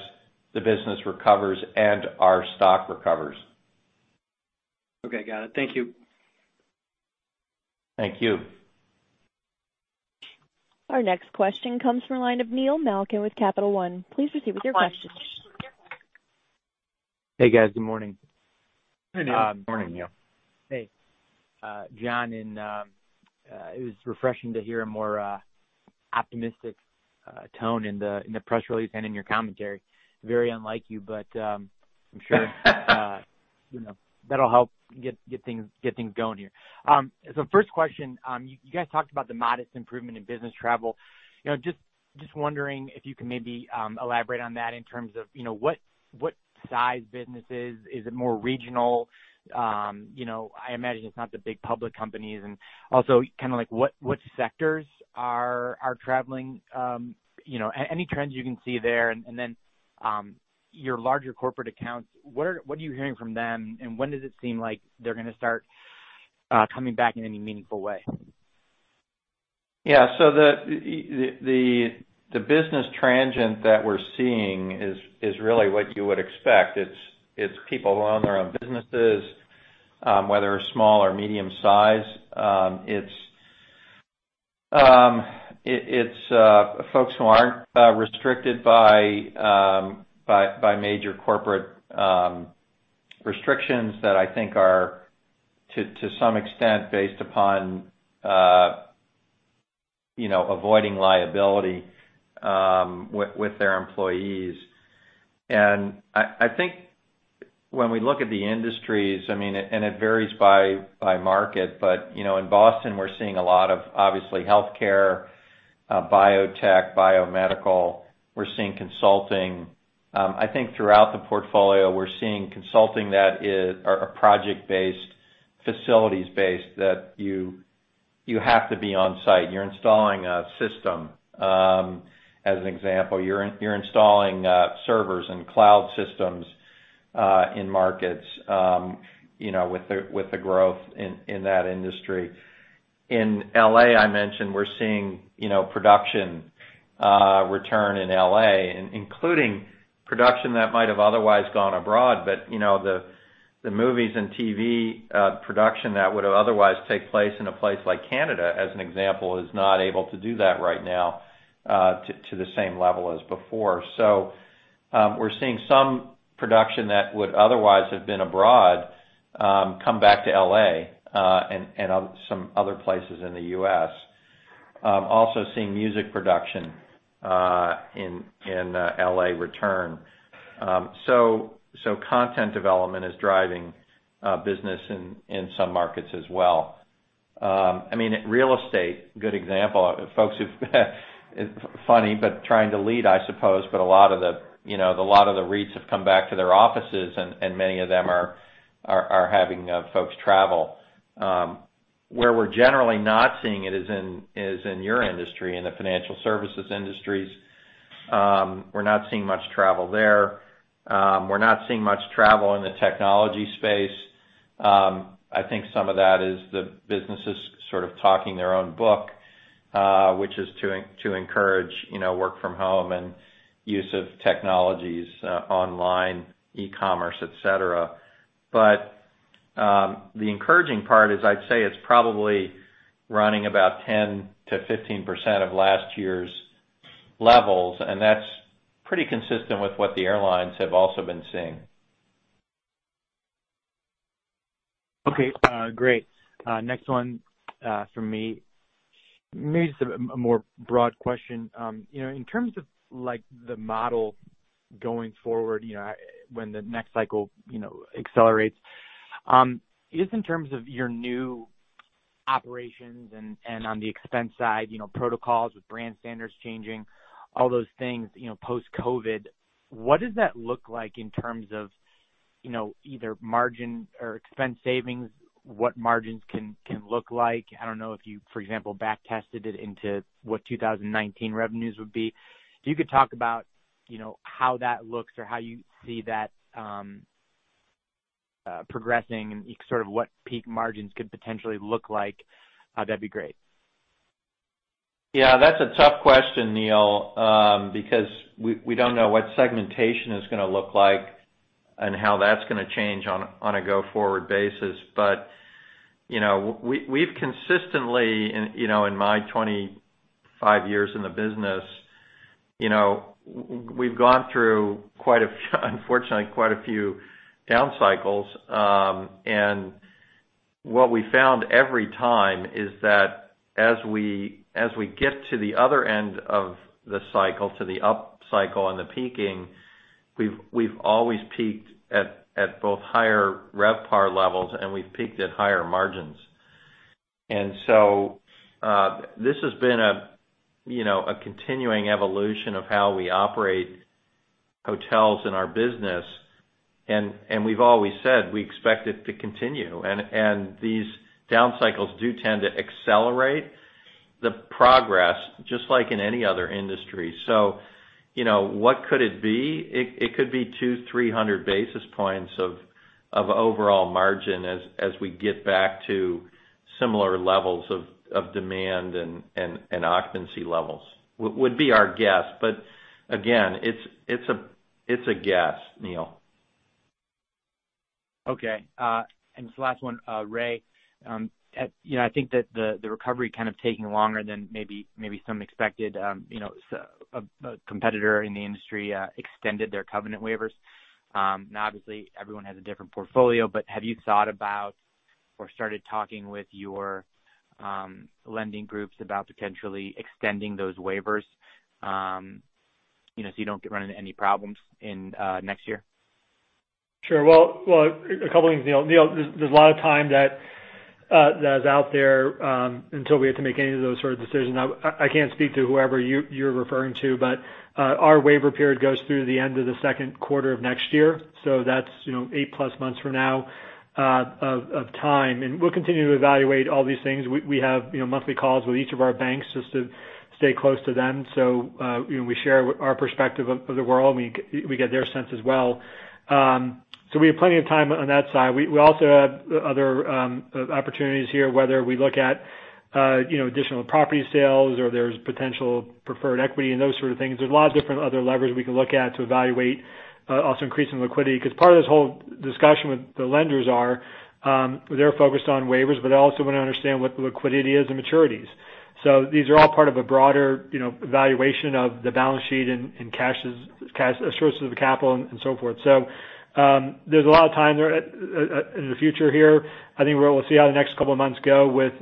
the business recovers and our stock recovers. Okay, got it. Thank you. Thank you. Our next question comes from the line of Neil Malkin with Capital One. Please proceed with your question. Hey guys, good morning. Hey, Neil. Morning, Neil. Hey. Jon, it was refreshing to hear a more optimistic tone in the press release and in your commentary. Very unlike you, but I'm sure that'll help get things going here. First question, you guys talked about the modest improvement in business travel. Just wondering if you can maybe elaborate on that in terms of what size businesses? Is it more regional? I imagine it's not the big public companies. Also, what sectors are traveling? Any trends you can see there? Then your larger corporate accounts, what are you hearing from them, and when does it seem like they're going to start coming back in any meaningful way? Yeah. The business transient that we're seeing is really what you would expect. It's people who own their own businesses, whether small or medium-sized. It's folks who aren't restricted by major corporate restrictions that I think are, to some extent, based upon avoiding liability with their employees. I think when we look at the industries, and it varies by market. In Boston, we're seeing a lot of, obviously, healthcare, biotech, biomedical. We're seeing consulting. I think throughout the portfolio, we're seeing consulting that are project-based, facilities-based, that you have to be on site. You're installing a system. As an example, you're installing servers and cloud systems in markets with the growth in that industry. In L.A., I mentioned we're seeing production return in L.A., including production that might have otherwise gone abroad. The movies and TV production that would otherwise take place in a place like Canada, as an example, is not able to do that right now to the same level as before. We're seeing some production that would otherwise have been abroad, come back to L.A., and some other places in the U.S. Also seeing music production in L.A. return. Content development is driving business in some markets as well. Real estate, good example. Funny, but trying to lead, I suppose, but a lot of the REITs have come back to their offices, and many of them are having folks travel. Where we're generally not seeing it is in your industry, in the financial services industries. We're not seeing much travel there. We're not seeing much travel in the technology space. I think some of that is the businesses sort of talking their own book, which is to encourage work from home and use of technologies, online, e-commerce, et cetera. The encouraging part is, I'd say, it's probably running about 10%-15% of last year's levels, and that's pretty consistent with what the airlines have also been seeing. Great. Next one from me, maybe just a more broad question. In terms of the model going forward when the next cycle accelerates, just in terms of your new operations and on the expense side, protocols with brand standards changing, all those things post-COVID, what does that look like in terms of either margin or expense savings? What margins can look like? I don't know if you, for example, back tested it into what 2019 revenues would be. If you could talk about how that looks or how you see that progressing and sort of what peak margins could potentially look like, that'd be great. Yeah. That's a tough question, Neil, because we don't know what segmentation is going to look like and how that's going to change on a go-forward basis. We've consistently, in my 25 years in the business, we've gone through, unfortunately, quite a few down cycles. What we found every time is that as we get to the other end of the cycle, to the up cycle and the peaking, we've always peaked at both higher RevPAR levels and we've peaked at higher margins. This has been a continuing evolution of how we operate hotels in our business, and we've always said we expect it to continue. These down cycles do tend to accelerate the progress, just like in any other industry. What could it be? It could be 200, 300 basis points of overall margin as we get back to similar levels of demand and occupancy levels, would be our guess. Again, it's a guess, Neil. Okay. This is the last one. Ray, I think that the recovery kind of taking longer than maybe some expected, a competitor in the industry extended their covenant waivers. Obviously, everyone has a different portfolio, but have you thought about or started talking with your lending groups about potentially extending those waivers so you don't run into any problems in next year? Sure. Well, a couple of things, Neil. There's a lot of time that is out there until we have to make any of those sort of decisions. I can't speak to whoever you're referring to, but our waiver period goes through the end of the second quarter of next year. That's eight plus months from now of time. We'll continue to evaluate all these things. We have monthly calls with each of our banks just to stay close to them. We share our perspective of the world, and we get their sense as well. We have plenty of time on that side. We also have other opportunities here, whether we look at additional property sales or there's potential preferred equity and those sort of things. There's a lot of different other levers we can look at to evaluate, also increasing liquidity. Part of this whole discussion with the lenders are, they're focused on waivers, but they also want to understand what the liquidity is and maturities. These are all part of a broader evaluation of the balance sheet and sources of capital and so forth. There's a lot of time there in the future here. I think we'll see how the next couple of months go with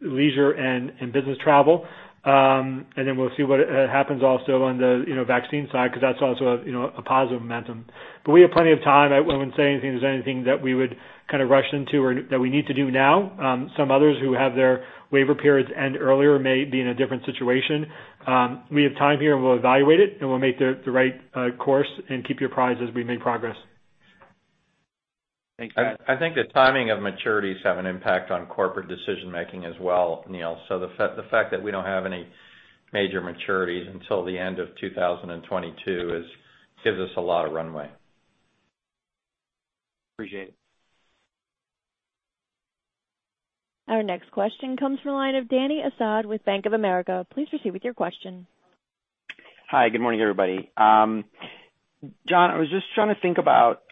leisure and business travel. We'll see what happens also on the vaccine side, because that's also a positive momentum. We have plenty of time. I wouldn't say there's anything that we would rush into or that we need to do now. Some others who have their waiver periods end earlier may be in a different situation. We have time here, and we'll evaluate it, and we'll make the right course and keep you apprised as we make progress. Thanks, Ray. I think the timing of maturities have an impact on corporate decision-making as well, Neil. The fact that we don't have any major maturities until the end of 2022 gives us a lot of runway. Appreciate it. Our next question comes from the line of Dany Asad with Bank of America. Please proceed with your question. Hi. Good morning, everybody. Jon, I was just trying to think about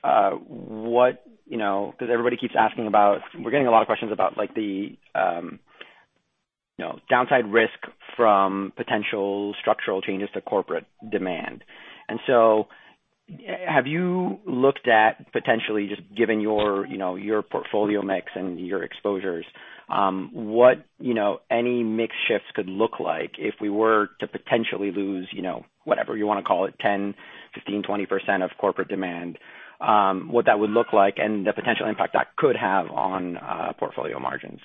what-- because everybody keeps asking about, we're getting a lot of questions about the downside risk from potential structural changes to corporate demand. Have you looked at potentially just given your portfolio mix and your exposures, what any mix shifts could look like if we were to potentially lose whatever you want to call it, 10%, 15%, 20% of corporate demand, what that would look like and the potential impact that could have on portfolio margins?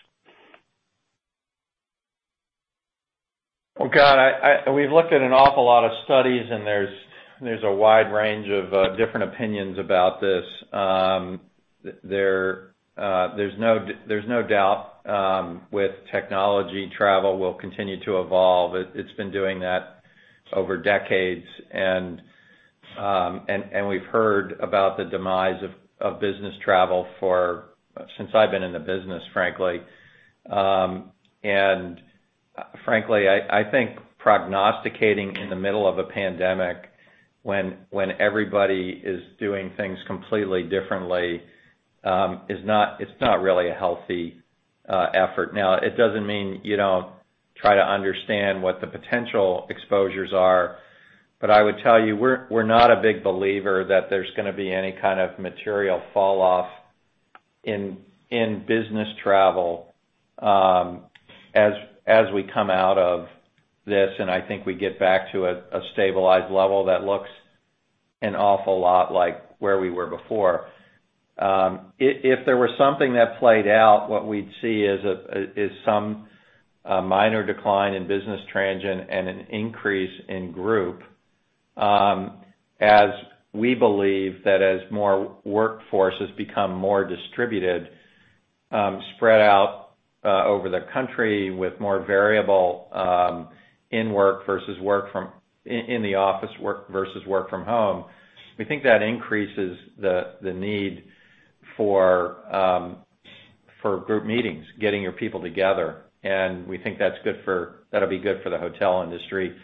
Oh, God, we've looked at an awful lot of studies, and there's a wide range of different opinions about this. There's no doubt with technology, travel will continue to evolve. It's been doing that over decades. We've heard about the demise of business travel since I've been in the business, frankly. Frankly, I think prognosticating in the middle of a pandemic when everybody is doing things completely differently, it's not really a healthy effort. Now, it doesn't mean you don't try to understand what the potential exposures are. I would tell you, we're not a big believer that there's going to be any kind of material fall off in business travel as we come out of this, and I think we get back to a stabilized level that looks an awful lot like where we were before. If there was something that played out, what we'd see is some minor decline in business transient and an increase in group. We believe that as more workforces become more distributed, spread out over the country with more variable in the office work versus work from home, we think that increases the need for group meetings, getting your people together. We think that'll be good for the hotel industry.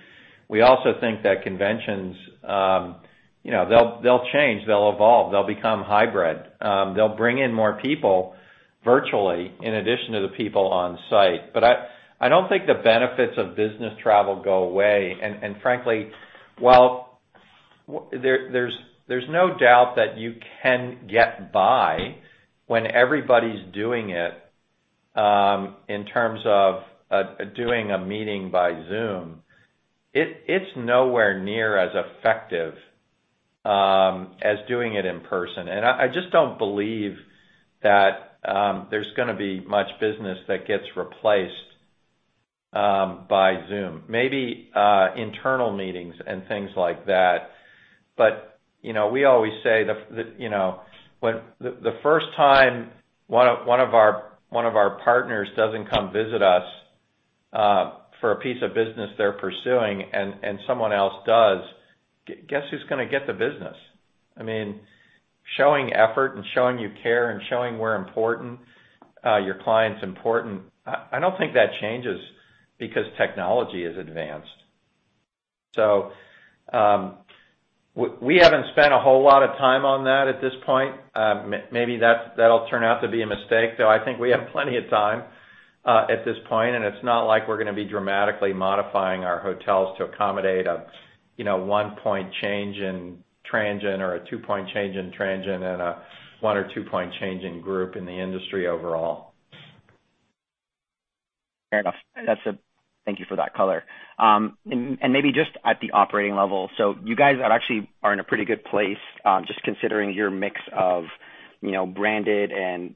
We also think that conventions, they'll change, they'll evolve, they'll become hybrid. They'll bring in more people virtually in addition to the people on site. I don't think the benefits of business travel go away. Frankly, while there's no doubt that you can get by when everybody's doing it, in terms of doing a meeting by Zoom, it's nowhere near as effective as doing it in person. I just don't believe that there's going to be much business that gets replaced by Zoom. Maybe internal meetings and things like that. We always say the first time one of our partners doesn't come visit us for a piece of business they're pursuing and someone else does, guess who's going to get the business? Showing effort and showing you care and showing we're important, your client's important, I don't think that changes because technology is advanced. We haven't spent a whole lot of time on that at this point. Maybe that'll turn out to be a mistake, though I think we have plenty of time at this point, and it's not like we're going to be dramatically modifying our hotels to accommodate a one-point change in transient or a two-point change in transient and a one or two-point change in group in the industry overall. Fair enough. Thank you for that color. Maybe just at the operating level. You guys are actually in a pretty good place, just considering your mix of branded and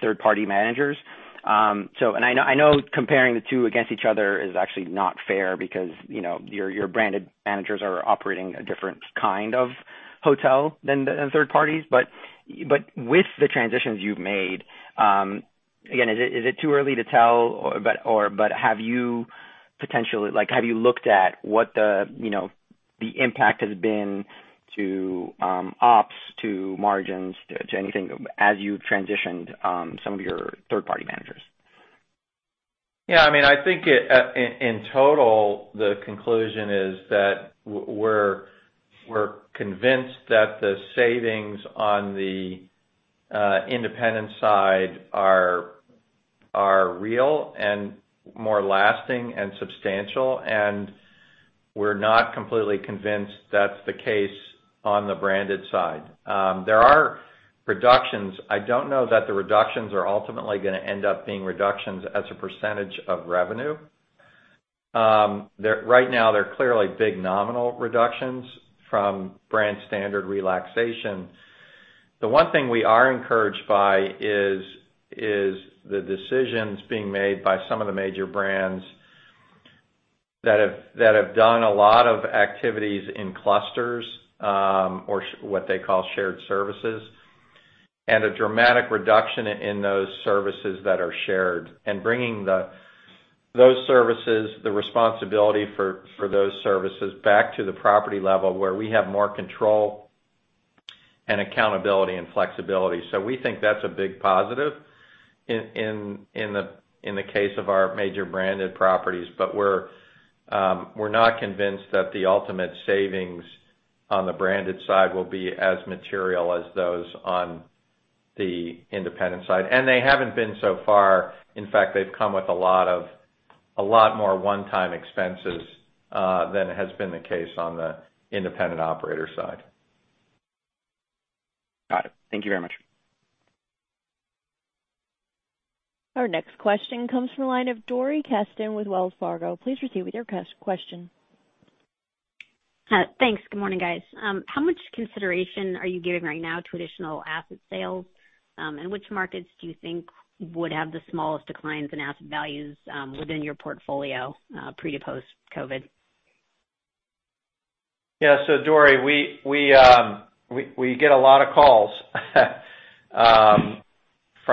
third-party managers. I know comparing the two against each other is actually not fair because your branded managers are operating a different kind of hotel than third parties. With the transitions you've made. Again, is it too early to tell? Have you looked at what the impact has been to ops, to margins, to anything as you transitioned some of your third-party managers? I think, in total, the conclusion is that we're convinced that the savings on the independent side are real and more lasting and substantial, and we're not completely convinced that's the case on the branded side. There are reductions. I don't know that the reductions are ultimately going to end up being reductions as a percentage of revenue. Right now, they're clearly big nominal reductions from brand standard relaxation. The one thing we are encouraged by is the decisions being made by some of the major brands that have done a lot of activities in clusters, or what they call shared services, and a dramatic reduction in those services that are shared, and bringing those services, the responsibility for those services back to the property level where we have more control and accountability and flexibility. We think that's a big positive in the case of our major branded properties. We're not convinced that the ultimate savings on the branded side will be as material as those on the independent side. They haven't been so far. In fact, they've come with a lot more one-time expenses than has been the case on the independent operator side. Got it. Thank you very much. Our next question comes from the line of Dori Kesten with Wells Fargo. Please proceed with your question. Thanks. Good morning, guys. How much consideration are you giving right now to additional asset sales? Which markets do you think would have the smallest declines in asset values within your portfolio, pre to post-COVID? Dori, we get a lot of calls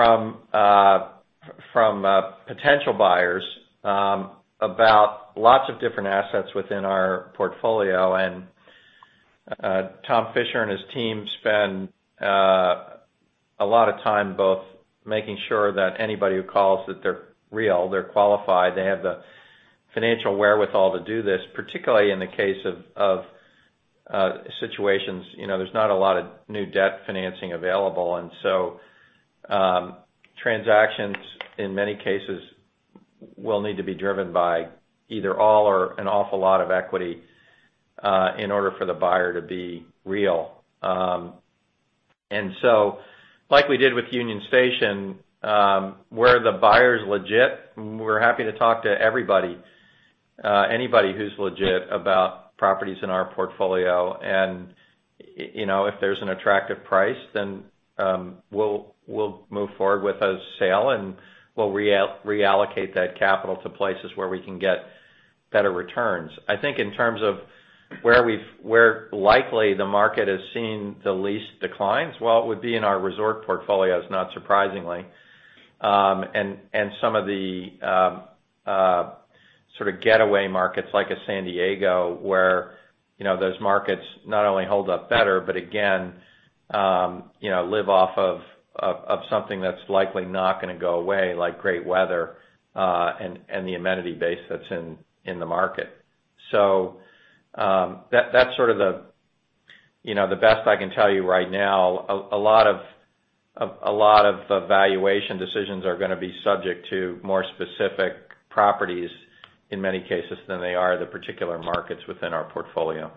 from potential buyers about lots of different assets within our portfolio. Tom Fisher and his team spend a lot of time both making sure that anybody who calls that they're real, they're qualified, they have the financial wherewithal to do this, particularly in the case of situations. There's not a lot of new debt financing available. Transactions, in many cases, will need to be driven by either all or an awful lot of equity in order for the buyer to be real. Like we did with Union Station, where the buyer's legit, we're happy to talk to everybody, anybody who's legit about properties in our portfolio. If there's an attractive price, we'll move forward with a sale, and we'll reallocate that capital to places where we can get better returns. I think in terms of where likely the market has seen the least declines, well, it would be in our resort portfolios, not surprisingly. Some of the sort of getaway markets like a San Diego, where those markets not only hold up better, but again, live off of something that's likely not going to go away, like great weather and the amenity base that's in the market. That's sort of the best I can tell you right now. A lot of the valuation decisions are going to be subject to more specific properties in many cases than they are the particular markets within our portfolio.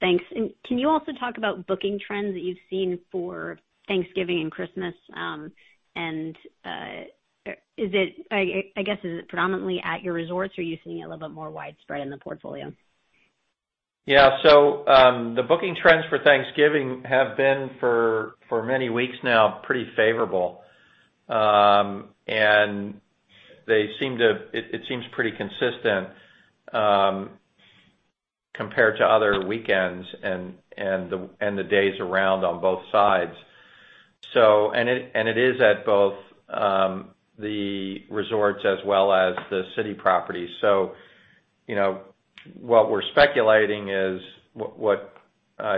Thanks. Can you also talk about booking trends that you've seen for Thanksgiving and Christmas? I guess is it predominantly at your resorts, or are you seeing it a little bit more widespread in the portfolio? Yeah. The booking trends for Thanksgiving have been, for many weeks now, pretty favorable. It seems pretty consistent compared to other weekends and the days around on both sides. It is at both the resorts as well as the city properties. What we're speculating is what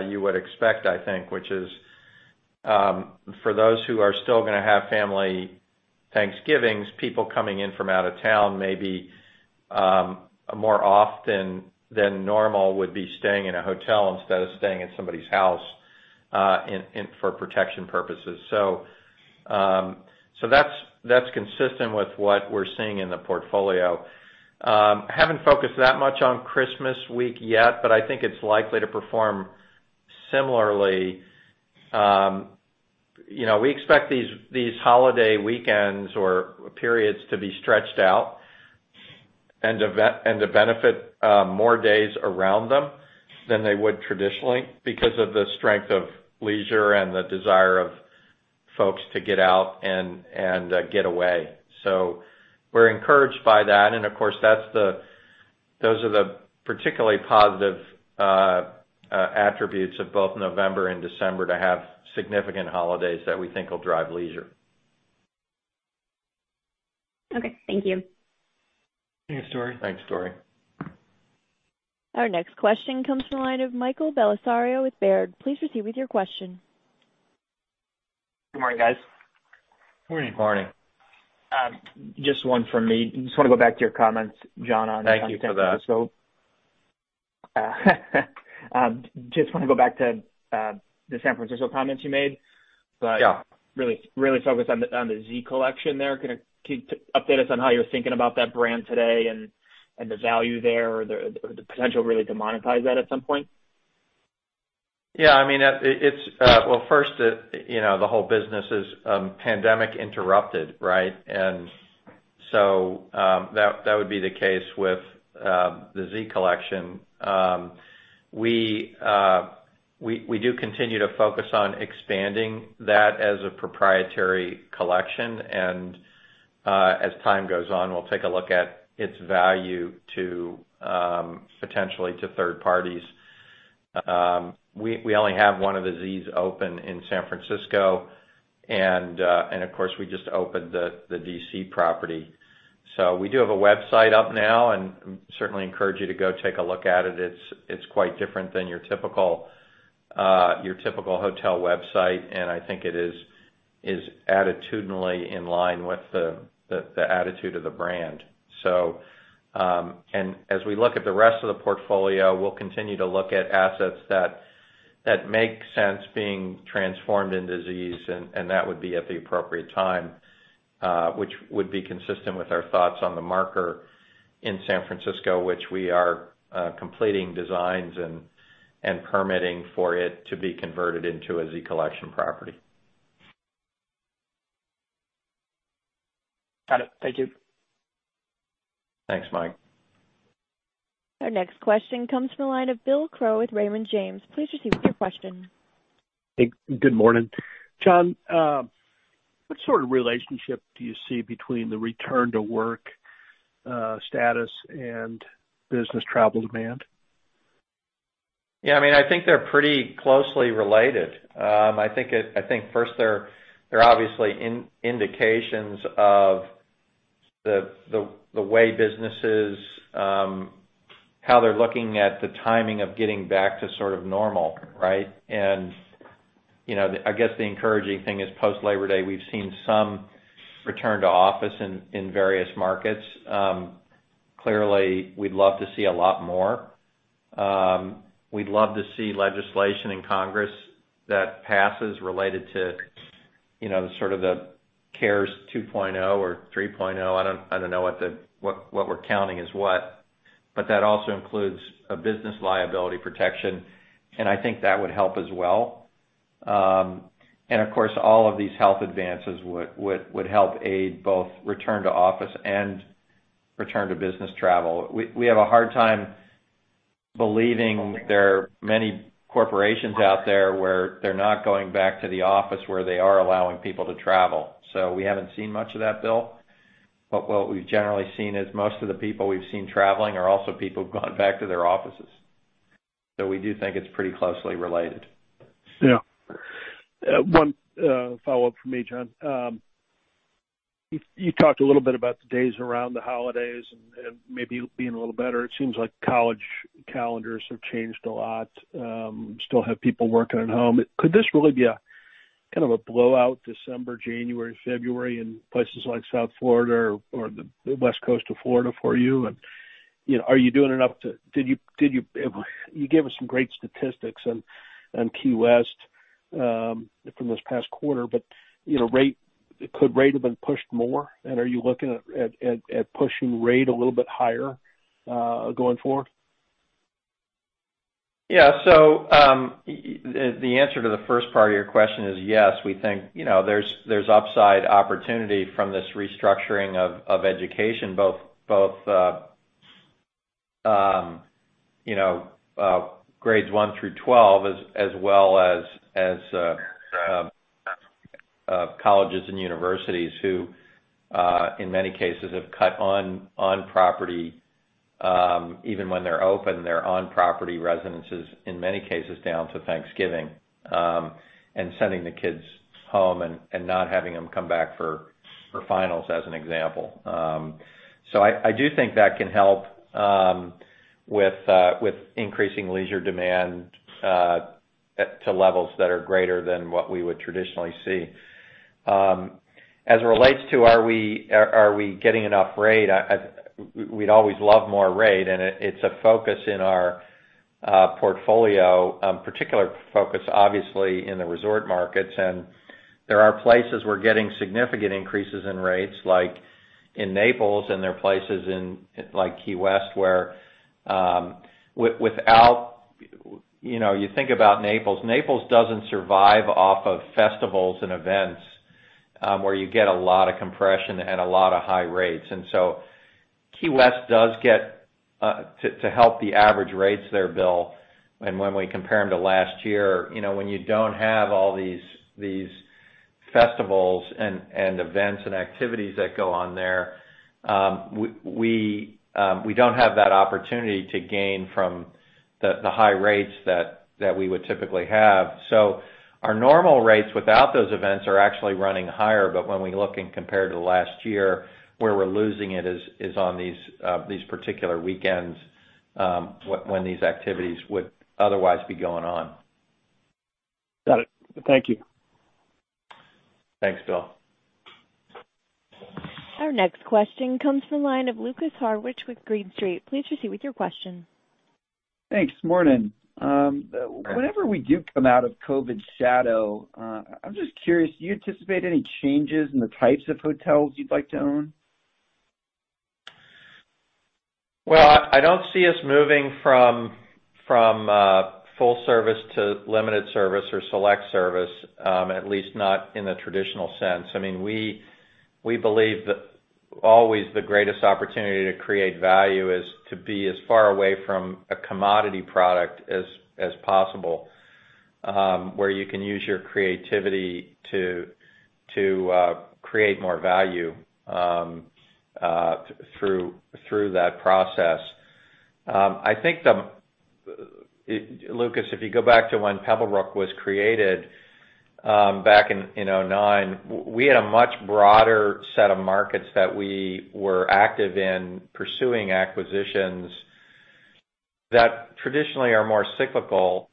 you would expect, I think, which is for those who are still going to have family Thanksgivings, people coming in from out of town, maybe more often than normal would be staying in a hotel instead of staying at somebody's house for protection purposes. That's consistent with what we're seeing in the portfolio. I haven't focused that much on Christmas week yet, but I think it's likely to perform similarly. We expect these holiday weekends or periods to be stretched out and to benefit more days around them than they would traditionally because of the strength of leisure and the desire of folks to get out and get away. We're encouraged by that. Of course, those are the particularly positive attributes of both November and December to have significant holidays that we think will drive leisure. Okay. Thank you. Thanks, Dori. Thanks, Dori. Our next question comes from the line of Michael Bellisario with Baird. Please proceed with your question. Good morning, guys. Morning. Morning. Just one from me. Just want to go back to your comments, Jon. Thank you for that. just want to go back to the San Francisco comments you made. Yeah. Really focus on the Z Collection there. Can you update us on how you're thinking about that brand today and the value there or the potential really to monetize that at some point? Yeah. Well, first, the whole business is pandemic interrupted, right? That would be the case with the Z Collection. We do continue to focus on expanding that as a proprietary collection, and as time goes on, we'll take a look at its value potentially to third parties. We only have one of the Zs open in San Francisco, and of course, we just opened the D.C. property. We do have a website up now, and certainly encourage you to go take a look at it. It's quite different than your typical hotel website, and I think it is attitudinally in line with the attitude of the brand. As we look at the rest of the portfolio, we'll continue to look at assets that make sense being transformed into Zs, and that would be at the appropriate time, which would be consistent with our thoughts on The Marker in San Francisco, which we are completing designs and permitting for it to be converted into a Z Collection property. Got it. Thank you. Thanks, Mike. Our next question comes from the line of Bill Crow with Raymond James. Please proceed with your question. Good morning. Jon, what sort of relationship do you see between the return-to-work status and business travel demand? Yeah, I think they're pretty closely related. I think first, they're obviously indications of the way businesses, how they're looking at the timing of getting back to sort of normal, right? I guess the encouraging thing is post Labor Day, we've seen some return to office in various markets. Clearly, we'd love to see a lot more. We'd love to see legislation in Congress that passes related to sort of the CARES 2.0 or 3.0. I don't know what we're counting is what, but that also includes a business liability protection, and I think that would help as well. Of course, all of these health advances would help aid both return to office and return to business travel. We have a hard time believing there are many corporations out there where they're not going back to the office, where they are allowing people to travel. We haven't seen much of that, Bill, but what we've generally seen is most of the people we've seen traveling are also people who've gone back to their offices. We do think it's pretty closely related. Yeah. One follow-up from me, Jon. You talked a little bit about the days around the holidays and maybe being a little better. It seems like college calendars have changed a lot. Still have people working at home. Could this really be a kind of a blowout December, January, February in places like South Florida or the West Coast of Florida for you? You gave us some great statistics on Key West from this past quarter, could rate have been pushed more? Are you looking at pushing rate a little bit higher going forward? Yeah, the answer to the first part of your question is yes. We think there's upside opportunity from this restructuring of education, both grades 1 through 12, as well as colleges and universities who, in many cases, have cut on-property, even when they're open, their on-property residences in many cases down to Thanksgiving, and sending the kids home and not having them come back for finals, as an example. I do think that can help with increasing leisure demand to levels that are greater than what we would traditionally see. As it relates to are we getting enough rate, we'd always love more rate, and it's a focus in our portfolio, particular focus, obviously, in the resort markets. There are places we're getting significant increases in rates, like in Naples, and there are places in like Key West, where you think about Naples. Naples doesn't survive off of festivals and events, where you get a lot of compression and a lot of high rates. Key West does get to help the average rates there, Bill, and when we compare them to last year, when you don't have all these festivals and events and activities that go on there, we don't have that opportunity to gain from the high rates that we would typically have. Our normal rates without those events are actually running higher. When we look and compare to last year, where we're losing it is on these particular weekends, when these activities would otherwise be going on. Got it. Thank you. Thanks, Bill. Our next question comes from the line of Lukas Hartwich with Green Street. Please proceed with your question. Thanks. Morning. Morning. Whenever we do come out of COVID's shadow, I'm just curious, do you anticipate any changes in the types of hotels you'd like to own? Well, I don't see us moving from full service to limited service or select service, at least not in the traditional sense. We believe that always the greatest opportunity to create value is to be as far away from a commodity product as possible, where you can use your creativity to create more value through that process. I think, Lukas, if you go back to when Pebblebrook was created back in 2009, we had a much broader set of markets that we were active in pursuing acquisitions that traditionally are more cyclical.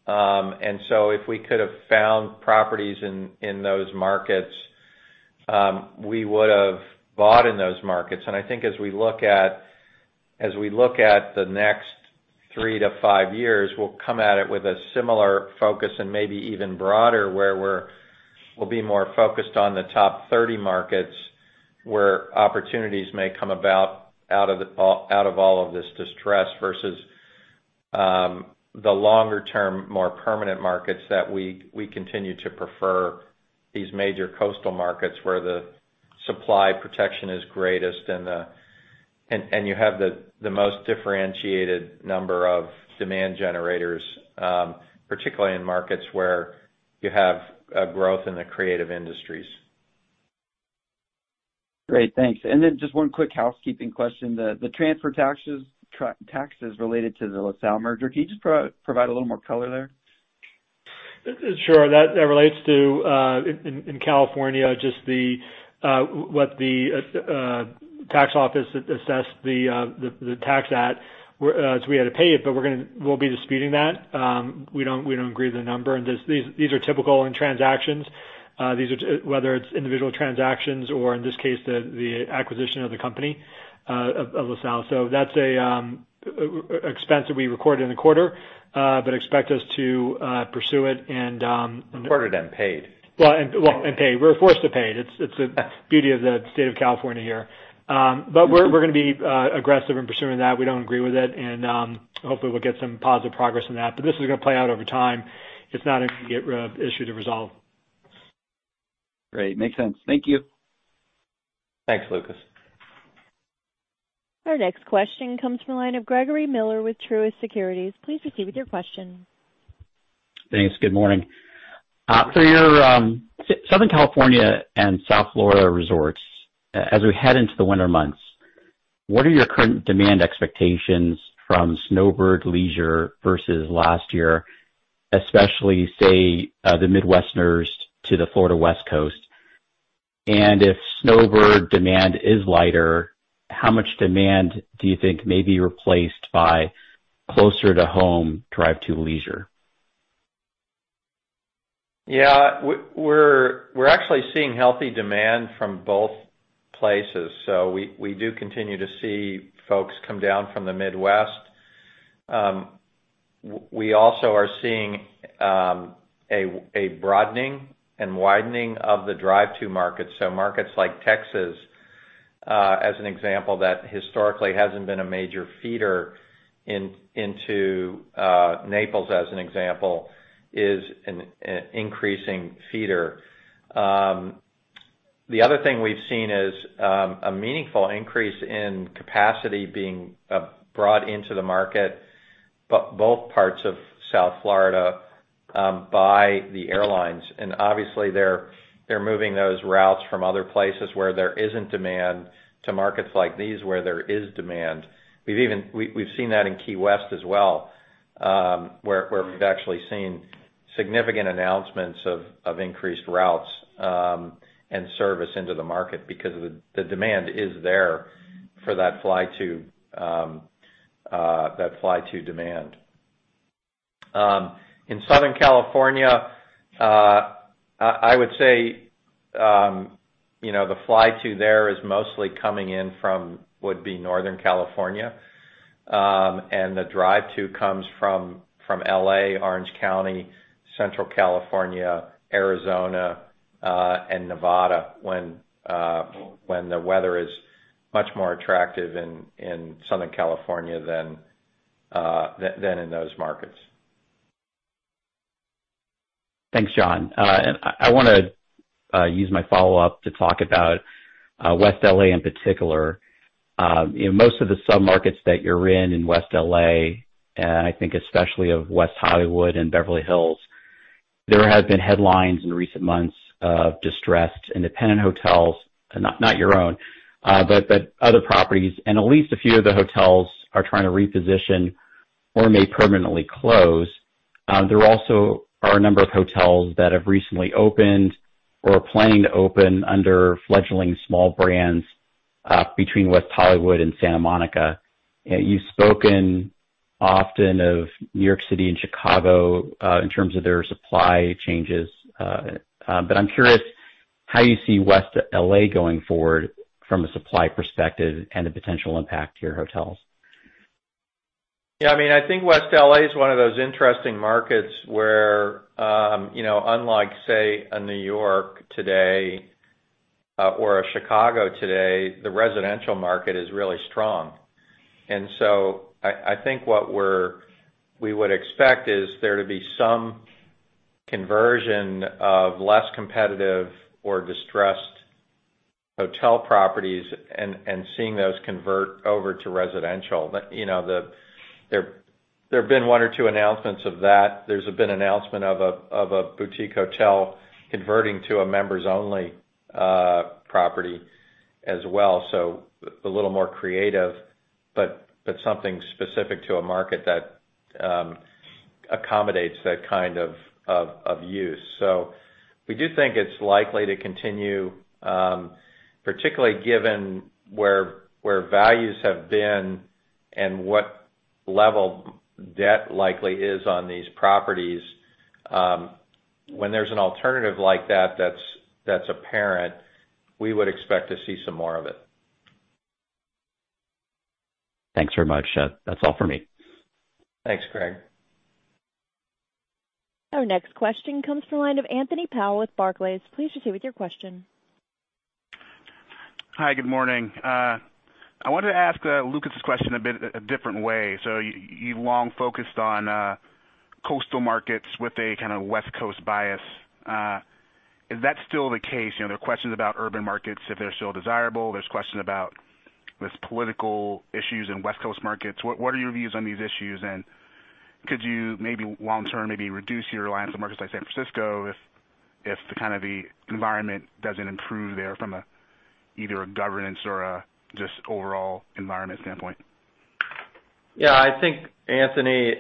If we could have found properties in those markets, we would have bought in those markets. I think as we look at the next three to five years, we'll come at it with a similar focus and maybe even broader, where we'll be more focused on the top 30 markets, where opportunities may come about out of all of this distress, versus the longer-term, more permanent markets that we continue to prefer, these major coastal markets where the supply protection is greatest and you have the most differentiated number of demand generators, particularly in markets where you have a growth in the creative industries. Great, thanks. Then just one quick housekeeping question. The transfer taxes related to the LaSalle merger, can you just provide a little more color there? Sure. That relates to, in California, just what the tax office assessed the tax at. We had to pay it, but we'll be disputing that. We don't agree with the number. These are typical in transactions, whether it's individual transactions or, in this case, the acquisition of the company, of LaSalle. That's a expense that we recorded in the quarter, but expect us to pursue it. Recorded and paid. Well, paid. We're forced to pay it. It's the beauty of the state of California here. We're going to be aggressive in pursuing that. We don't agree with it, and hopefully we'll get some positive progress on that. This is going to play out over time. It's not an immediate issue to resolve. Great. Makes sense. Thank you. Thanks, Lukas. Our next question comes from the line of Gregory Miller with Truist Securities. Please proceed with your question. Thanks. Good morning. For your Southern California and South Florida resorts, as we head into the winter months, what are your current demand expectations from snowbird leisure versus last year, especially, say, the Midwesterners to the Florida West Coast? If snowbird demand is lighter, how much demand do you think may be replaced by closer to home drive to leisure? Yeah. We're actually seeing healthy demand from both places. We do continue to see folks come down from the Midwest. We also are seeing a broadening and widening of the drive to markets. Markets like Texas, as an example, that historically hasn't been a major feeder into Naples, as an example, is an increasing feeder. The other thing we've seen is a meaningful increase in capacity being brought into the market, both parts of South Florida by the airlines. Obviously they're moving those routes from other places where there isn't demand to markets like these, where there is demand. We've seen that in Key West as well, where we've actually seen significant announcements of increased routes and service into the market because the demand is there for that fly to demand. In Southern California, I would say, the fly to there is mostly coming in from what would be Northern California. The drive to comes from L.A., Orange County, Central California, Arizona, and Nevada, when the weather is much more attractive in Southern California than in those markets. Thanks, Jon. I want to use my follow-up to talk about West L.A. in particular. Most of the sub-markets that you're in West L.A., and I think especially of West Hollywood and Beverly Hills, there have been headlines in recent months of distressed independent hotels, not your own, but other properties, and at least a few of the hotels are trying to reposition or may permanently close. There also are a number of hotels that have recently opened or are planning to open under fledgling small brands between West Hollywood and Santa Monica. You've spoken often of New York City and Chicago in terms of their supply changes. I'm curious how you see West L.A. going forward from a supply perspective and the potential impact to your hotels. Yeah, I think West L.A. is one of those interesting markets where, unlike, say, a New York today or a Chicago today, the residential market is really strong. I think what we would expect is there to be some conversion of less competitive or distressed hotel properties and seeing those convert over to residential. There have been one or two announcements of that. There's been announcement of a boutique hotel converting to a members-only property as well. A little more creative, but something specific to a market that accommodates that kind of use. We do think it's likely to continue, particularly given where values have been and what level debt likely is on these properties. When there's an alternative like that that's apparent, we would expect to see some more of it. Thanks very much. That's all for me. Thanks, Greg. Our next question comes from the line of Anthony Powell with Barclays. Please proceed with your question. Hi, good morning. I wanted to ask Lukas' question a bit a different way. You've long focused on coastal markets with a kind of West Coast bias. Is that still the case? There are questions about urban markets, if they're still desirable. There's questions about these political issues in West Coast markets. What are your views on these issues, and could you maybe long term, maybe reduce your reliance on markets like San Francisco if the kind of the environment doesn't improve there from either a governance or a just overall environment standpoint? Yeah, I think, Anthony,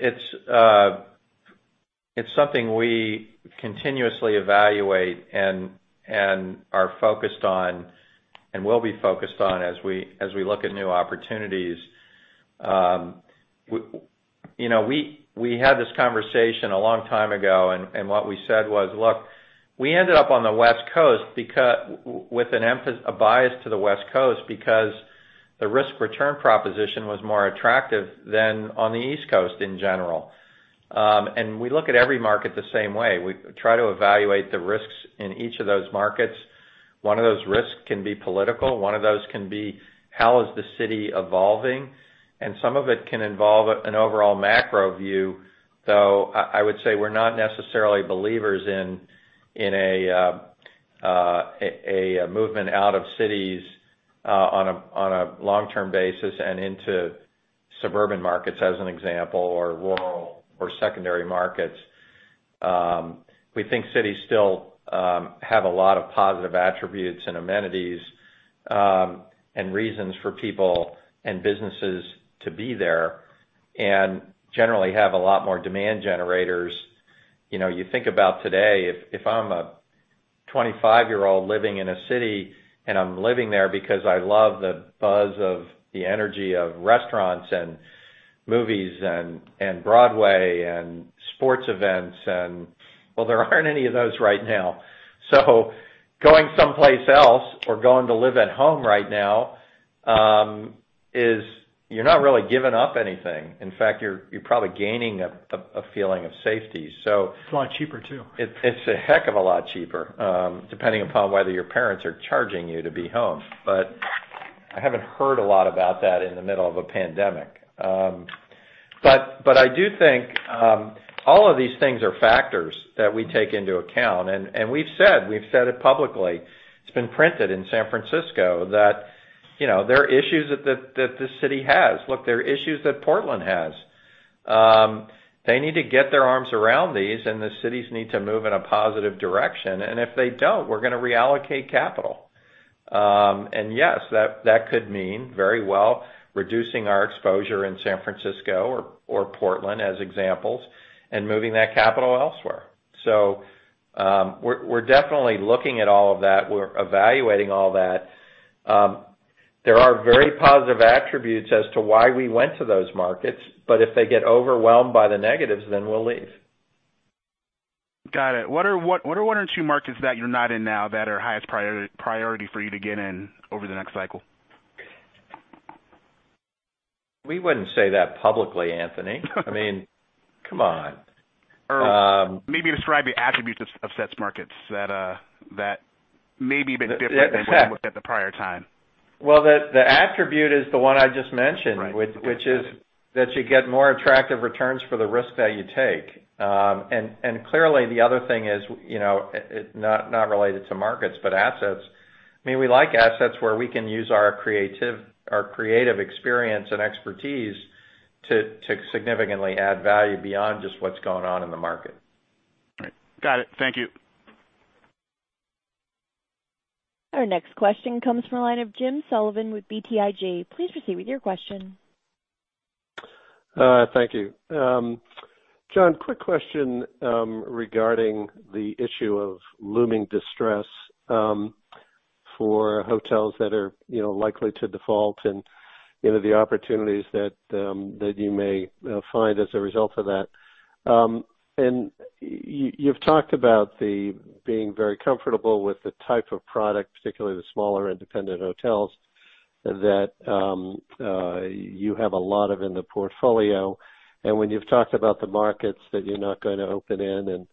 it's something we continuously evaluate and are focused on and will be focused on as we look at new opportunities. We had this conversation a long time ago, and what we said was, "Look, we ended up on the West Coast with a bias to the West Coast because the risk return proposition was more attractive than on the East Coast in general." We look at every market the same way. We try to evaluate the risks in each of those markets. One of those risks can be political. One of those can be how is the city evolving, and some of it can involve an overall macro view, though I would say we're not necessarily believers in a movement out of cities on a long-term basis and into suburban markets, as an example, or rural or secondary markets. We think cities still have a lot of positive attributes and amenities and reasons for people and businesses to be there and generally have a lot more demand generators. You think about today, if I'm a 25-year-old living in a city and I'm living there because I love the buzz of the energy of restaurants and movies and Broadway and sports events and well, there aren't any of those right now. Going someplace else or going to live at home right now is you're not really giving up anything. In fact, you're probably gaining a feeling of safety. It's a lot cheaper, too. It's a heck of a lot cheaper, depending upon whether your parents are charging you to be home. I haven't heard a lot about that in the middle of a pandemic. I do think all of these things are factors that we take into account, and we've said it publicly. It's been printed in San Francisco that there are issues that the city has. Look, there are issues that Portland has. They need to get their arms around these, and the cities need to move in a positive direction. If they don't, we're going to reallocate capital. Yes, that could mean very well reducing our exposure in San Francisco or Portland as examples and moving that capital elsewhere. We're definitely looking at all of that. We're evaluating all that. There are very positive attributes as to why we went to those markets, but if they get overwhelmed by the negatives, then we'll leave. Got it. What are one or two markets that you're not in now that are highest priority for you to get in over the next cycle? We wouldn't say that publicly, Anthony. Come on. Maybe describe the attributes of sets markets that may be a bit different than what you looked at the prior time. Well, the attribute is the one I just mentioned. Right. That you get more attractive returns for the risk that you take. Clearly, the other thing is, not related to markets, but assets. We like assets where we can use our creative experience and expertise to significantly add value beyond just what's going on in the market. All right. Got it. Thank you. Our next question comes from the line of Jim Sullivan with BTIG. Please proceed with your question. Thank you. Jon, quick question regarding the issue of looming distress for hotels that are likely to default and the opportunities that you may find as a result of that. You've talked about being very comfortable with the type of product, particularly the smaller independent hotels, that you have a lot of in the portfolio. When you've talked about the markets that you're not going to open in, and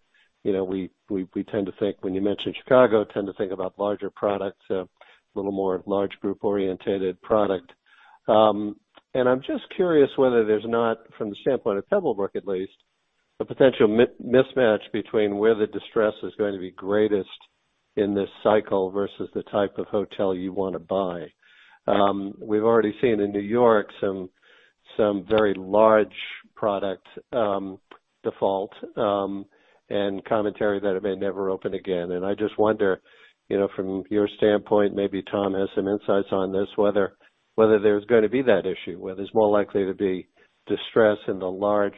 we tend to think when you mention Chicago, tend to think about larger products, a little more large group-orientated product. I'm just curious whether there's not, from the standpoint of Pebblebrook at least, a potential mismatch between where the distress is going to be greatest in this cycle versus the type of hotel you want to buy. We've already seen in New York some very large product default, and commentary that it may never open again. I just wonder, from your standpoint, maybe Tom has some insights on this, whether there's going to be that issue, whether it's more likely to be distress in the large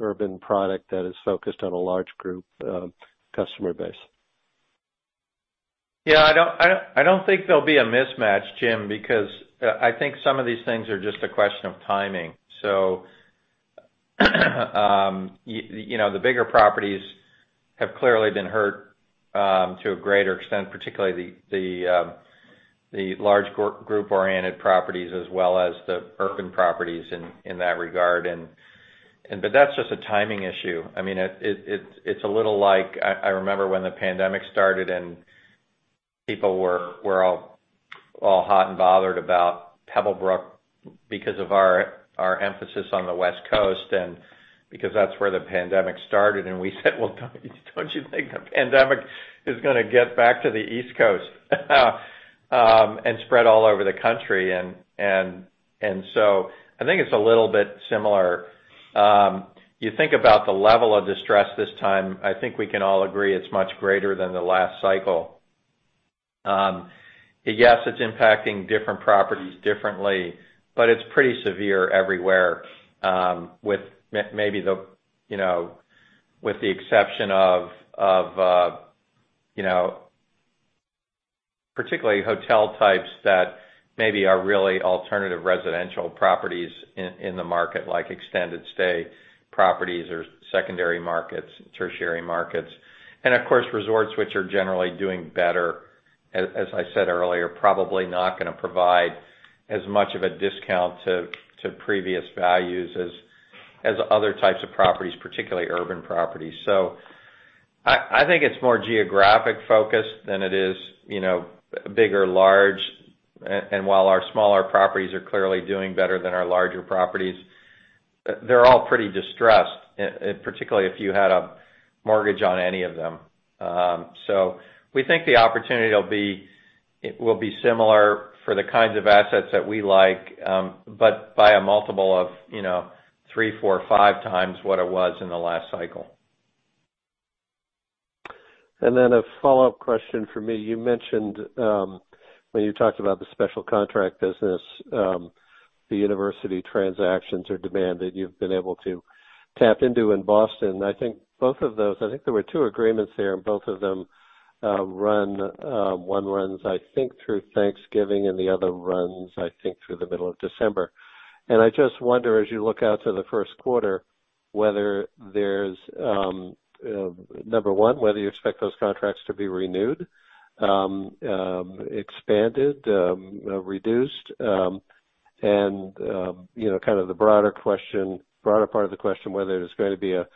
urban product that is focused on a large group customer base. Yeah, I don't think there'll be a mismatch, Jim, because I think some of these things are just a question of timing. The bigger properties have clearly been hurt to a greater extent, particularly the large group-oriented properties as well as the urban properties in that regard. That's just a timing issue. It's a little like, I remember when the pandemic started, and people were all hot and bothered about Pebblebrook because of our emphasis on the West Coast, and because that's where the pandemic started, and we said, "Well, don't you think the pandemic is going to get back to the East Coast and spread all over the country?" I think it's a little bit similar. You think about the level of distress this time, I think we can all agree it's much greater than the last cycle. Yes, it's impacting different properties differently, but it's pretty severe everywhere, with the exception of particularly hotel types that maybe are really alternative residential properties in the market, like extended stay properties or secondary markets, tertiary markets. Of course, resorts, which are generally doing better, as I said earlier, probably not going to provide as much of a discount to previous values as other types of properties, particularly urban properties. I think it's more geographic focused than it is bigger, large. While our smaller properties are clearly doing better than our larger properties, they're all pretty distressed, particularly if you had a mortgage on any of them. We think the opportunity will be similar for the kinds of assets that we like, but by a multiple of three, four, five times what it was in the last cycle. A follow-up question from me. You mentioned, when you talked about the special contract business, the university transactions or demand that you've been able to tap into in Boston. I think both of those, I think there were two agreements there, and both of them run, one runs, I think, through Thanksgiving, and the other runs, I think, through the middle of December. I just wonder, as you look out to the first quarter, number one, whether you expect those contracts to be renewed, expanded, reduced, and kind of the broader part of the question, whether there's going to be a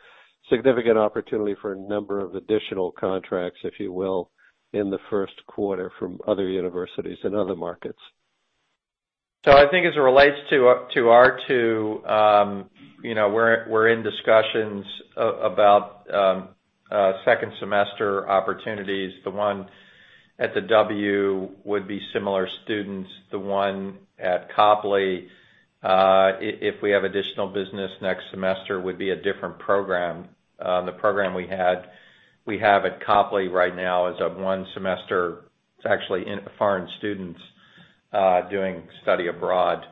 significant opportunity for a number of additional contracts, if you will, in the first quarter from other universities in other markets. I think as it relates to our two, we're in discussions about second semester opportunities. The one at the W would be similar students. The one at Copley, if we have additional business next semester, would be a different program. The program we have at Copley right now is a one semester, it's actually foreign students doing study abroad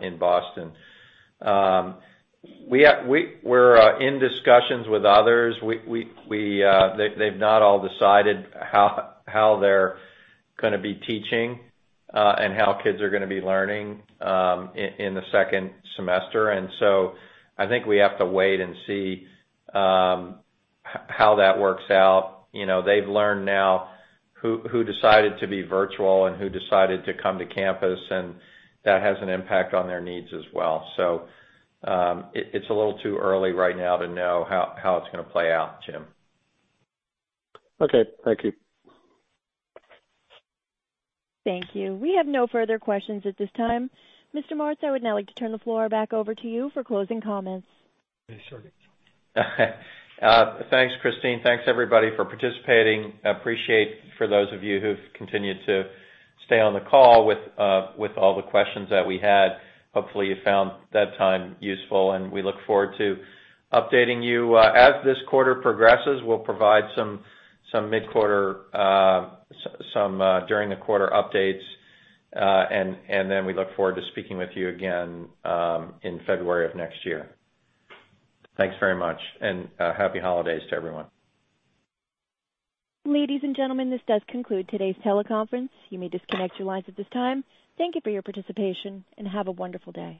in Boston. We're in discussions with others. They've not all decided how they're going to be teaching, and how kids are going to be learning in the second semester. I think we have to wait and see how that works out. They've learned now who decided to be virtual and who decided to come to campus, and that has an impact on their needs as well. It's a little too early right now to know how it's going to play out, Jim. Okay. Thank you. Thank you. We have no further questions at this time. Mr. Martz, I would now like to turn the floor back over to you for closing comments. Thanks, Christine. Thanks everybody for participating. Appreciate for those of you who've continued to stay on the call with all the questions that we had. Hopefully you found that time useful, and we look forward to updating you. As this quarter progresses, we'll provide some during the quarter updates, and then we look forward to speaking with you again in February of next year. Thanks very much, and happy holidays to everyone. Ladies and gentlemen, this does conclude today's teleconference. You may disconnect your lines at this time. Thank you for your participation, and have a wonderful day.